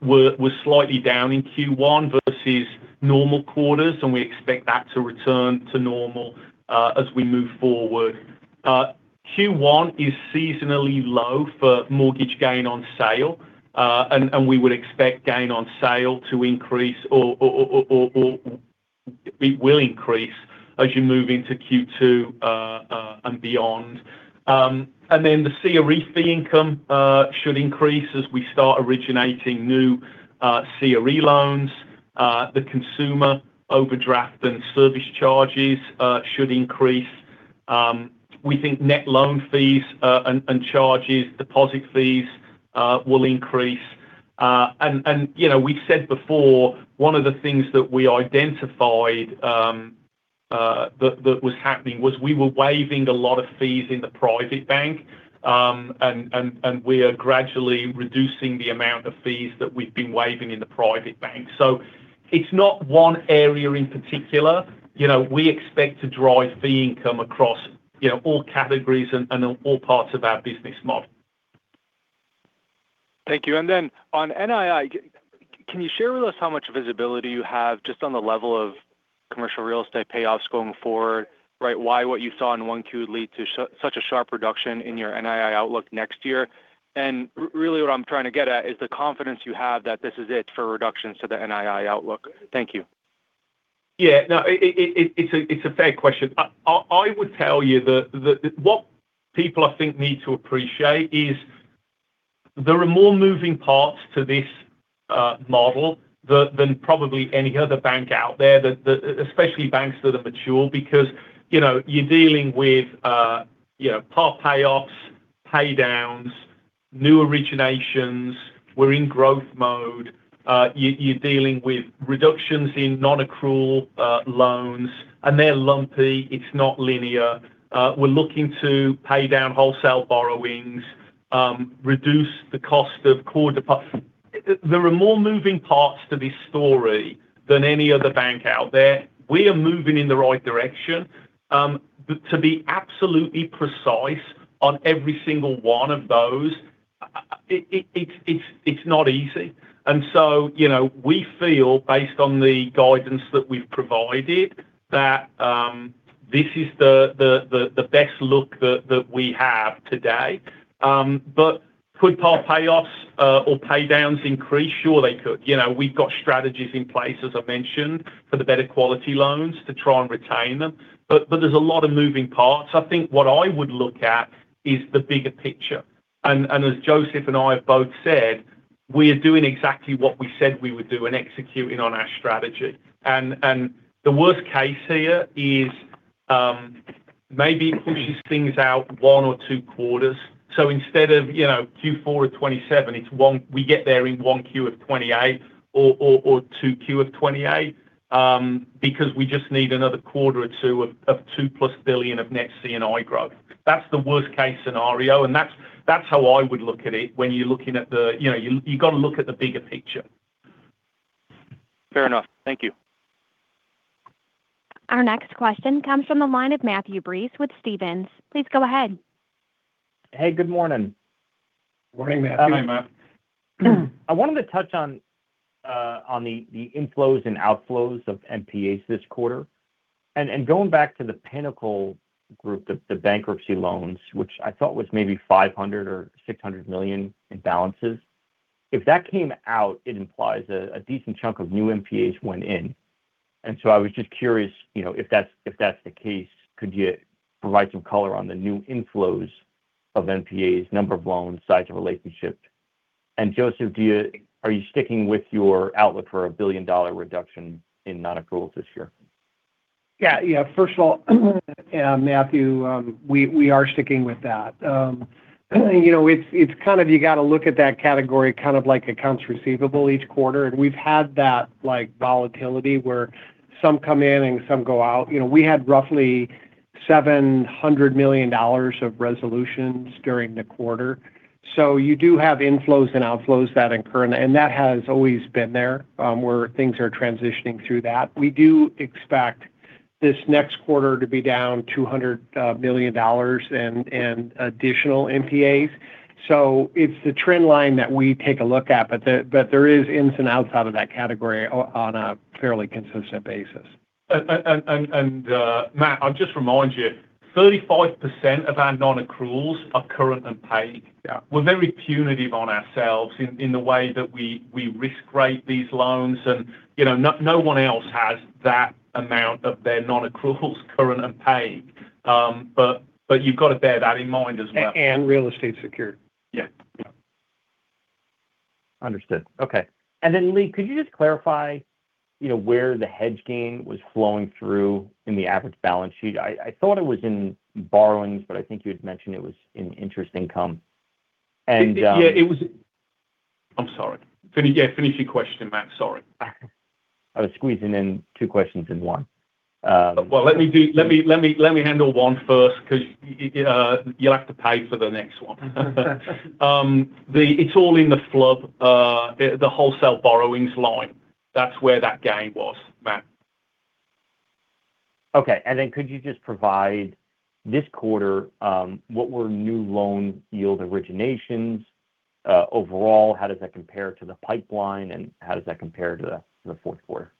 were slightly down in Q1 versus normal quarters, and we expect that to return to normal as we move forward. Q1 is seasonally low for mortgage gain on sale. We would expect gain on sale to increase, or it will increase as you move into Q2 and beyond. The CRA fee income should increase as we start originating new CRE loans. The consumer overdraft and service charges should increase. We think net loan fees and charges; deposit fees will increase. We said before, one of the things that we identified that was happening was we were waiving a lot of fees in the private bank, and we are gradually reducing the amount of fees that we've been waiting in the private bank. It's not one area in particular. We expect to drive fee income across all categories and all parts of our business model. Thank you. Then on NII, can you share with us how much visibility you have just on the level of commercial real estate payoffs going forward, right? Why what you saw in 1Q lead to such a sharp reduction in your NII outlook next year? Really what I'm trying to get at is the confidence you have that this is it for reductions to the NII outlook. Thank you. Yeah. No, it's a fair question. I would tell you that what people I think need to appreciate is there are more moving parts to this model than probably any other bank out there, especially banks that are mature because you're dealing with pool payoffs, pay downs, new originations. We're in growth mode. You're dealing with reductions in non-accrual loans, and they're lumpy. It's not linear. We're looking to pay down wholesale borrowings, reduce the cost of core deposit. There are more moving parts to this story than any other bank out there. We are moving in the right direction. To be absolutely precise on every single one of those, it's not easy. We feel based on the guidance that we've provided, that this is the best look that we have today. Could pool payoffs or pay downs increase? Sure, they could. We've got strategies in place, as I mentioned, for the better-quality loans to try and retain them. There's a lot of moving parts. I think what I would look at is the bigger picture. As Joseph and I have both said, we are doing exactly what we said we would do and executing on our strategy. The worst case here is maybe it pushes things out one or two quarters. Instead of Q4 of 2027, we get there in 1Q of 2028 or 2Q of 2028, because we just need another quarter or two of $2+ billion of net C&I growth. That's the worst-case scenario, and that's how I would look at it when you're looking at the bigger picture. You've got to look at the bigger picture. Fair enough. Thank you. Our next question comes from the line of Matthew Breese with Stephens. Please go ahead. Hey, good morning. Morning, Matt. Hi, Matt. I wanted to touch on the inflows and outflows of NPAs this quarter. Going back to the Pinnacle group, the bankruptcy loans, which I thought was maybe $500 million or $600 million in balances. If that came out, it implies a decent chunk of new NPAs went in. I was just curious, if that's the case, could you provide some color on the new inflows of NPAs, number of loans, size of relationship? Joseph, are you sticking with your outlook for a billion-dollar reduction in non-accruals this year? Yeah. First of all, Matthew, we are sticking with that. You've got to look at that category like accounts receivable each quarter. We've had that volatility where some come in and some go out. We had roughly $700 million of resolutions during the quarter. You do have inflows and outflows that occur, and that has always been there, where things are transitioning through that. We do expect this next quarter to be down $200 million in additional NPAs. It's the trend line that we take a look at. There is ins and outs out of that category on a fairly consistent basis. Matt, I'll just remind you, 35% of our non-accruals are current and paid. Yeah. We're very punitive on ourselves in the way that we risk rate these loans. No one else has that amount of their non-accruals current and paid. You've got to bear that in mind as well. Real estate secured. Yeah. Yeah. Understood. Okay. Lee, could you just clarify where the hedge gain was flowing through in the average balance sheet? I thought it was in borrowings, but I think you had mentioned it was in interest income. I'm sorry. Finish your question, Matt. Sorry. I was squeezing in two questions in one. Well, let me handle one first because you'll have to pay for the next one. It's all in the FHLB, the wholesale borrowings line. That's where that gain was, Matt. Okay. Could you just provide this quarter, what were new loan yield originations? Overall, how does that compare to the pipeline, and how does that compare to the fourth quarter?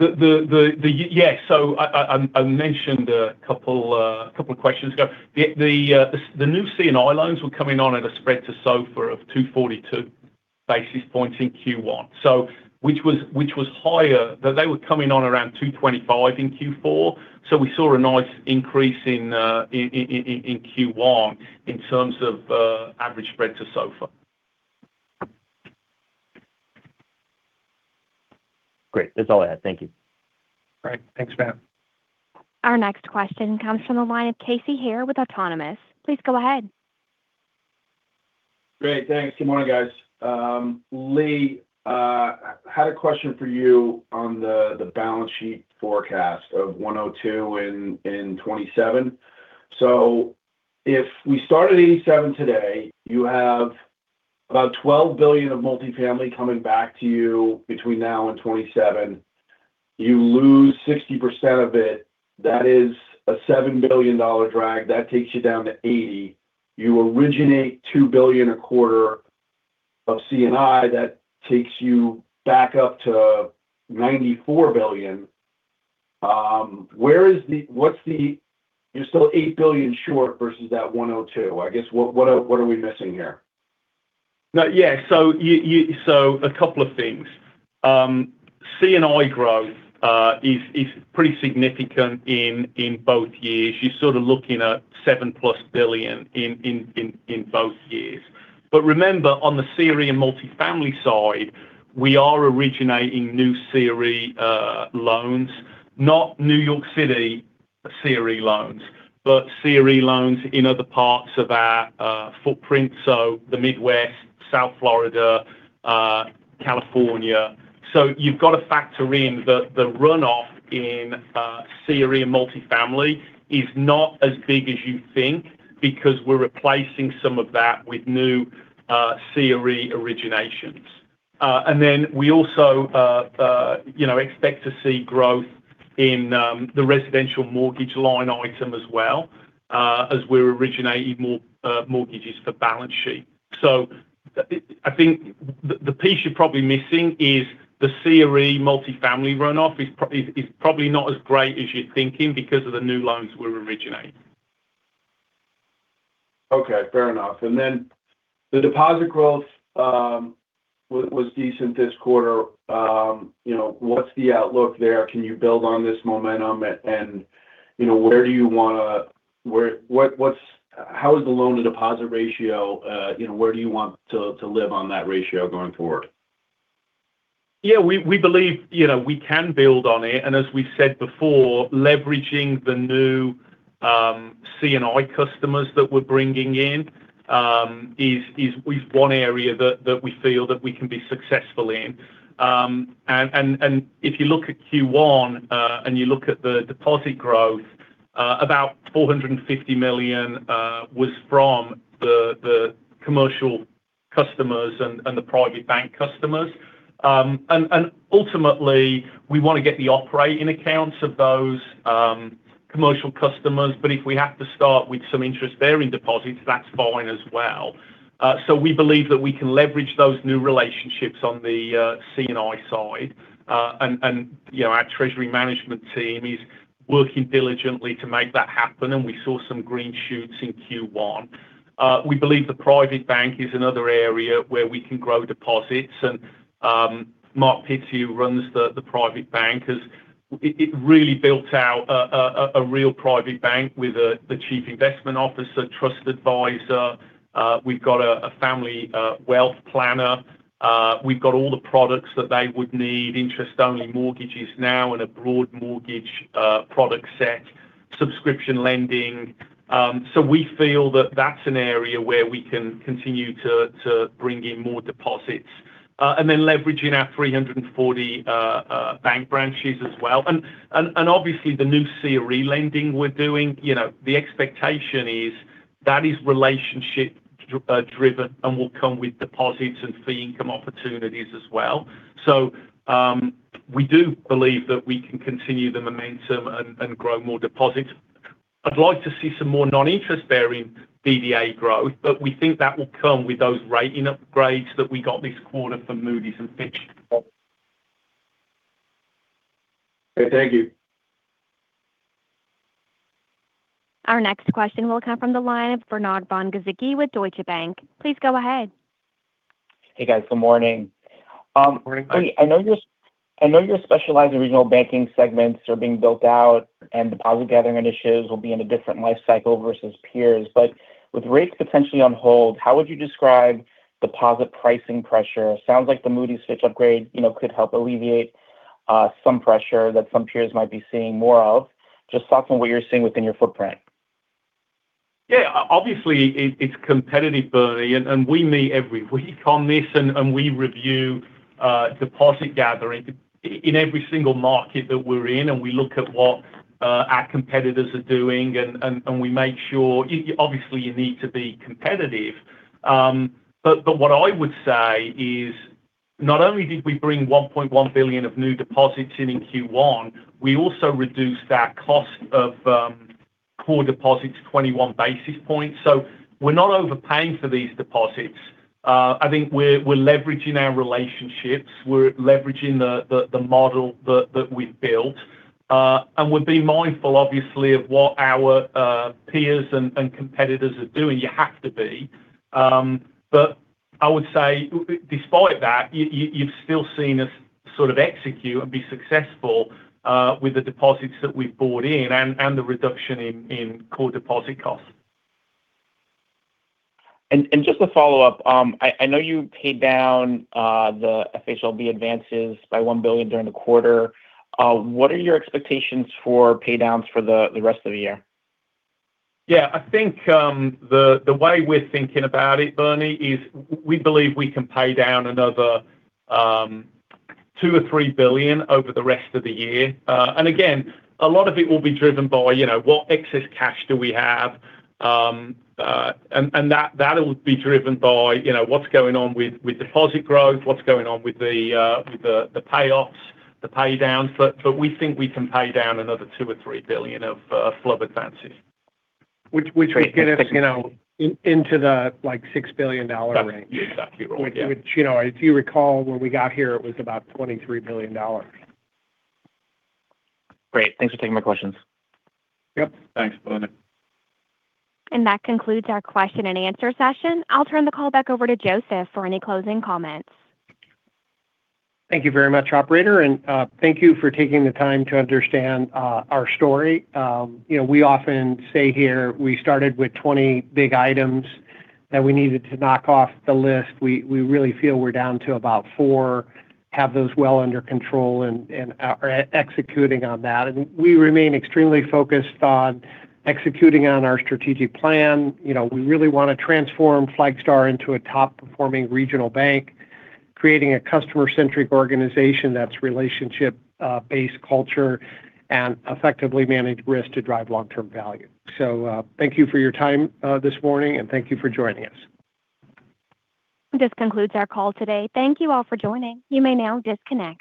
Yeah. I mentioned a couple of questions ago. The new C&I loans were coming on at a spread to SOFR of 242 basis points in Q1, which was higher. They were coming on around 225 in Q4. We saw a nice increase in Q1 in terms of average spread to SOFR. Great. That's all I had. Thank you. Right. Thanks, Matt. Our next question comes from the line of Casey Haire with Autonomous. Please go ahead. Great. Thanks. Good morning, guys. Lee, I had a question for you on the balance sheet forecast of $102 billion in 2027. If we start at $87 billion today, you have about $12 billion of multifamily coming back to you between now and 2027. You lose 60% of it. That is a $7 billion drag. That takes you down to $80 billion. You originate $2 billion a quarter of C&I. That takes you back up to $94 billion. You're still $8 billion short versus that $102 billion. I guess, what are we missing here? No. Yeah. A couple of things. C&I growth is pretty significant in both years. You're sort of looking at $7+ billion in both years. Remember, on the CRE and multifamily side, we are originating new CRE loans. Not New York City CRE loans, but CRE loans in other parts of our footprint. The Midwest, South Florida, California. You've got to factor in the runoff in CRE and multifamily is not as big as you think because we're replacing some of that with new CRE originations. We also expect to see growth in the residential mortgage line item as well, as we're originating more mortgages for balance sheet. I think the piece you're probably missing is the CRE multifamily runoff is probably not as great as you're thinking because of the new loans we're originating. Okay. Fair enough. The deposit growth was decent this quarter. What's the outlook there? Can you build on this momentum? How is the loan to deposit ratio? Where do you want to live on that ratio going forward? Yeah, we believe we can build on it. As we said before, leveraging the new C&I customers that we're bringing in is one area that we feel that we can be successful in. If you look at Q1, and you look at the deposit growth, about $450 million was from the commercial customers and the Private Bank customers. Ultimately, we want to get the operating accounts of those commercial customers. If we have to start with some interest-bearing deposits, that's fine as well. We believe that we can leverage those new relationships on the C&I side. Our treasury management team is working diligently to make that happen, and we saw some green shoots in Q1. We believe the Private Bank is another area where we can grow deposits. Mark Pittsey, who runs the private bank, has really built out a real private bank with the chief investment officer, trust advisor. We've got a family wealth planner. We've got all the products that they would need, interest-only mortgages now and a broad mortgage product set, subscription lending. We feel that that's an area where we can continue to bring in more deposits. Then leveraging our 340 bank branches as well. Obviously, the new CRE lending we're doing. The expectation is that is relationship-driven and will come with deposits and fee income opportunities as well. We do believe that we can continue the momentum and grow more deposits. I'd like to see some more non-interest-bearing DDA growth, but we think that will come with those rating upgrades that we got this quarter for Moody's and Fitch. Okay, thank you. Our next question will come from the line of Bernard von Gizycki with Deutsche Bank. Please go ahead. Hey, guys. Good morning. Morning. Lee, I know your specialized regional banking segments are being built out and deposit gathering initiatives will be in a different life cycle versus peers. With rates potentially on hold, how would you describe deposit pricing pressure? Sounds like the Moody's Fitch upgrade could help alleviate some pressure that some peers might be seeing more of. Just talk on what you're seeing within your footprint. Yeah. Obviously, it's competitive, Bernie, and we meet every week on this, and we review deposit gathering in every single market that we're in, and we look at what our competitors are doing, and we make sure you need to be competitive. What I would say is not only did we bring $1.1 billion of new deposits in in Q1, we also reduced our cost of core deposits 21 basis points. We're not overpaying for these deposits. I think we're leveraging our relationships. We're leveraging the model that we've built. We're being mindful, obviously, of what our peers and competitors are doing. You have to be. I would say despite that, you've still seen us sort of execute and be successful with the deposits that we've brought in and the reduction in core deposit costs. Just to follow up, I know you paid down the FHLB advances by $1 billion during the quarter. What are your expectations for pay downs for the rest of the year? Yeah, I think the way we're thinking about it, Bernie, is we believe we can pay down another $2 billion-$3 billion over the rest of the year. Again, a lot of it will be driven by what excess cash do we have. That will be driven by what's going on with deposit growth, what's going on with the payoffs, the pay downs. We think we can pay down another $2 billion-$3 billion of FHLB advances. Which would get us into the $6 billion range. Exactly. Which if you recall, when we got here, it was about $23 billion. Great. Thanks for taking my questions. Yep. Thanks, Bernard. That concludes our question and answer session. I'll turn the call back over to Joseph for any closing comments. Thank you very much, operator, and thank you for taking the time to understand our story. We often say here we started with 20 big items that we needed to knock off the list. We really feel we're down to about four, have those well under control, and are executing on that. We remain extremely focused on executing on our strategic plan. We really want to transform Flagstar into a top-performing regional bank, creating a customer-centric organization that's relationship-based culture and effectively manage risk to drive long-term value. Thank you for your time this morning, and thank you for joining us. This concludes our call today. Thank you all for joining. You may now disconnect.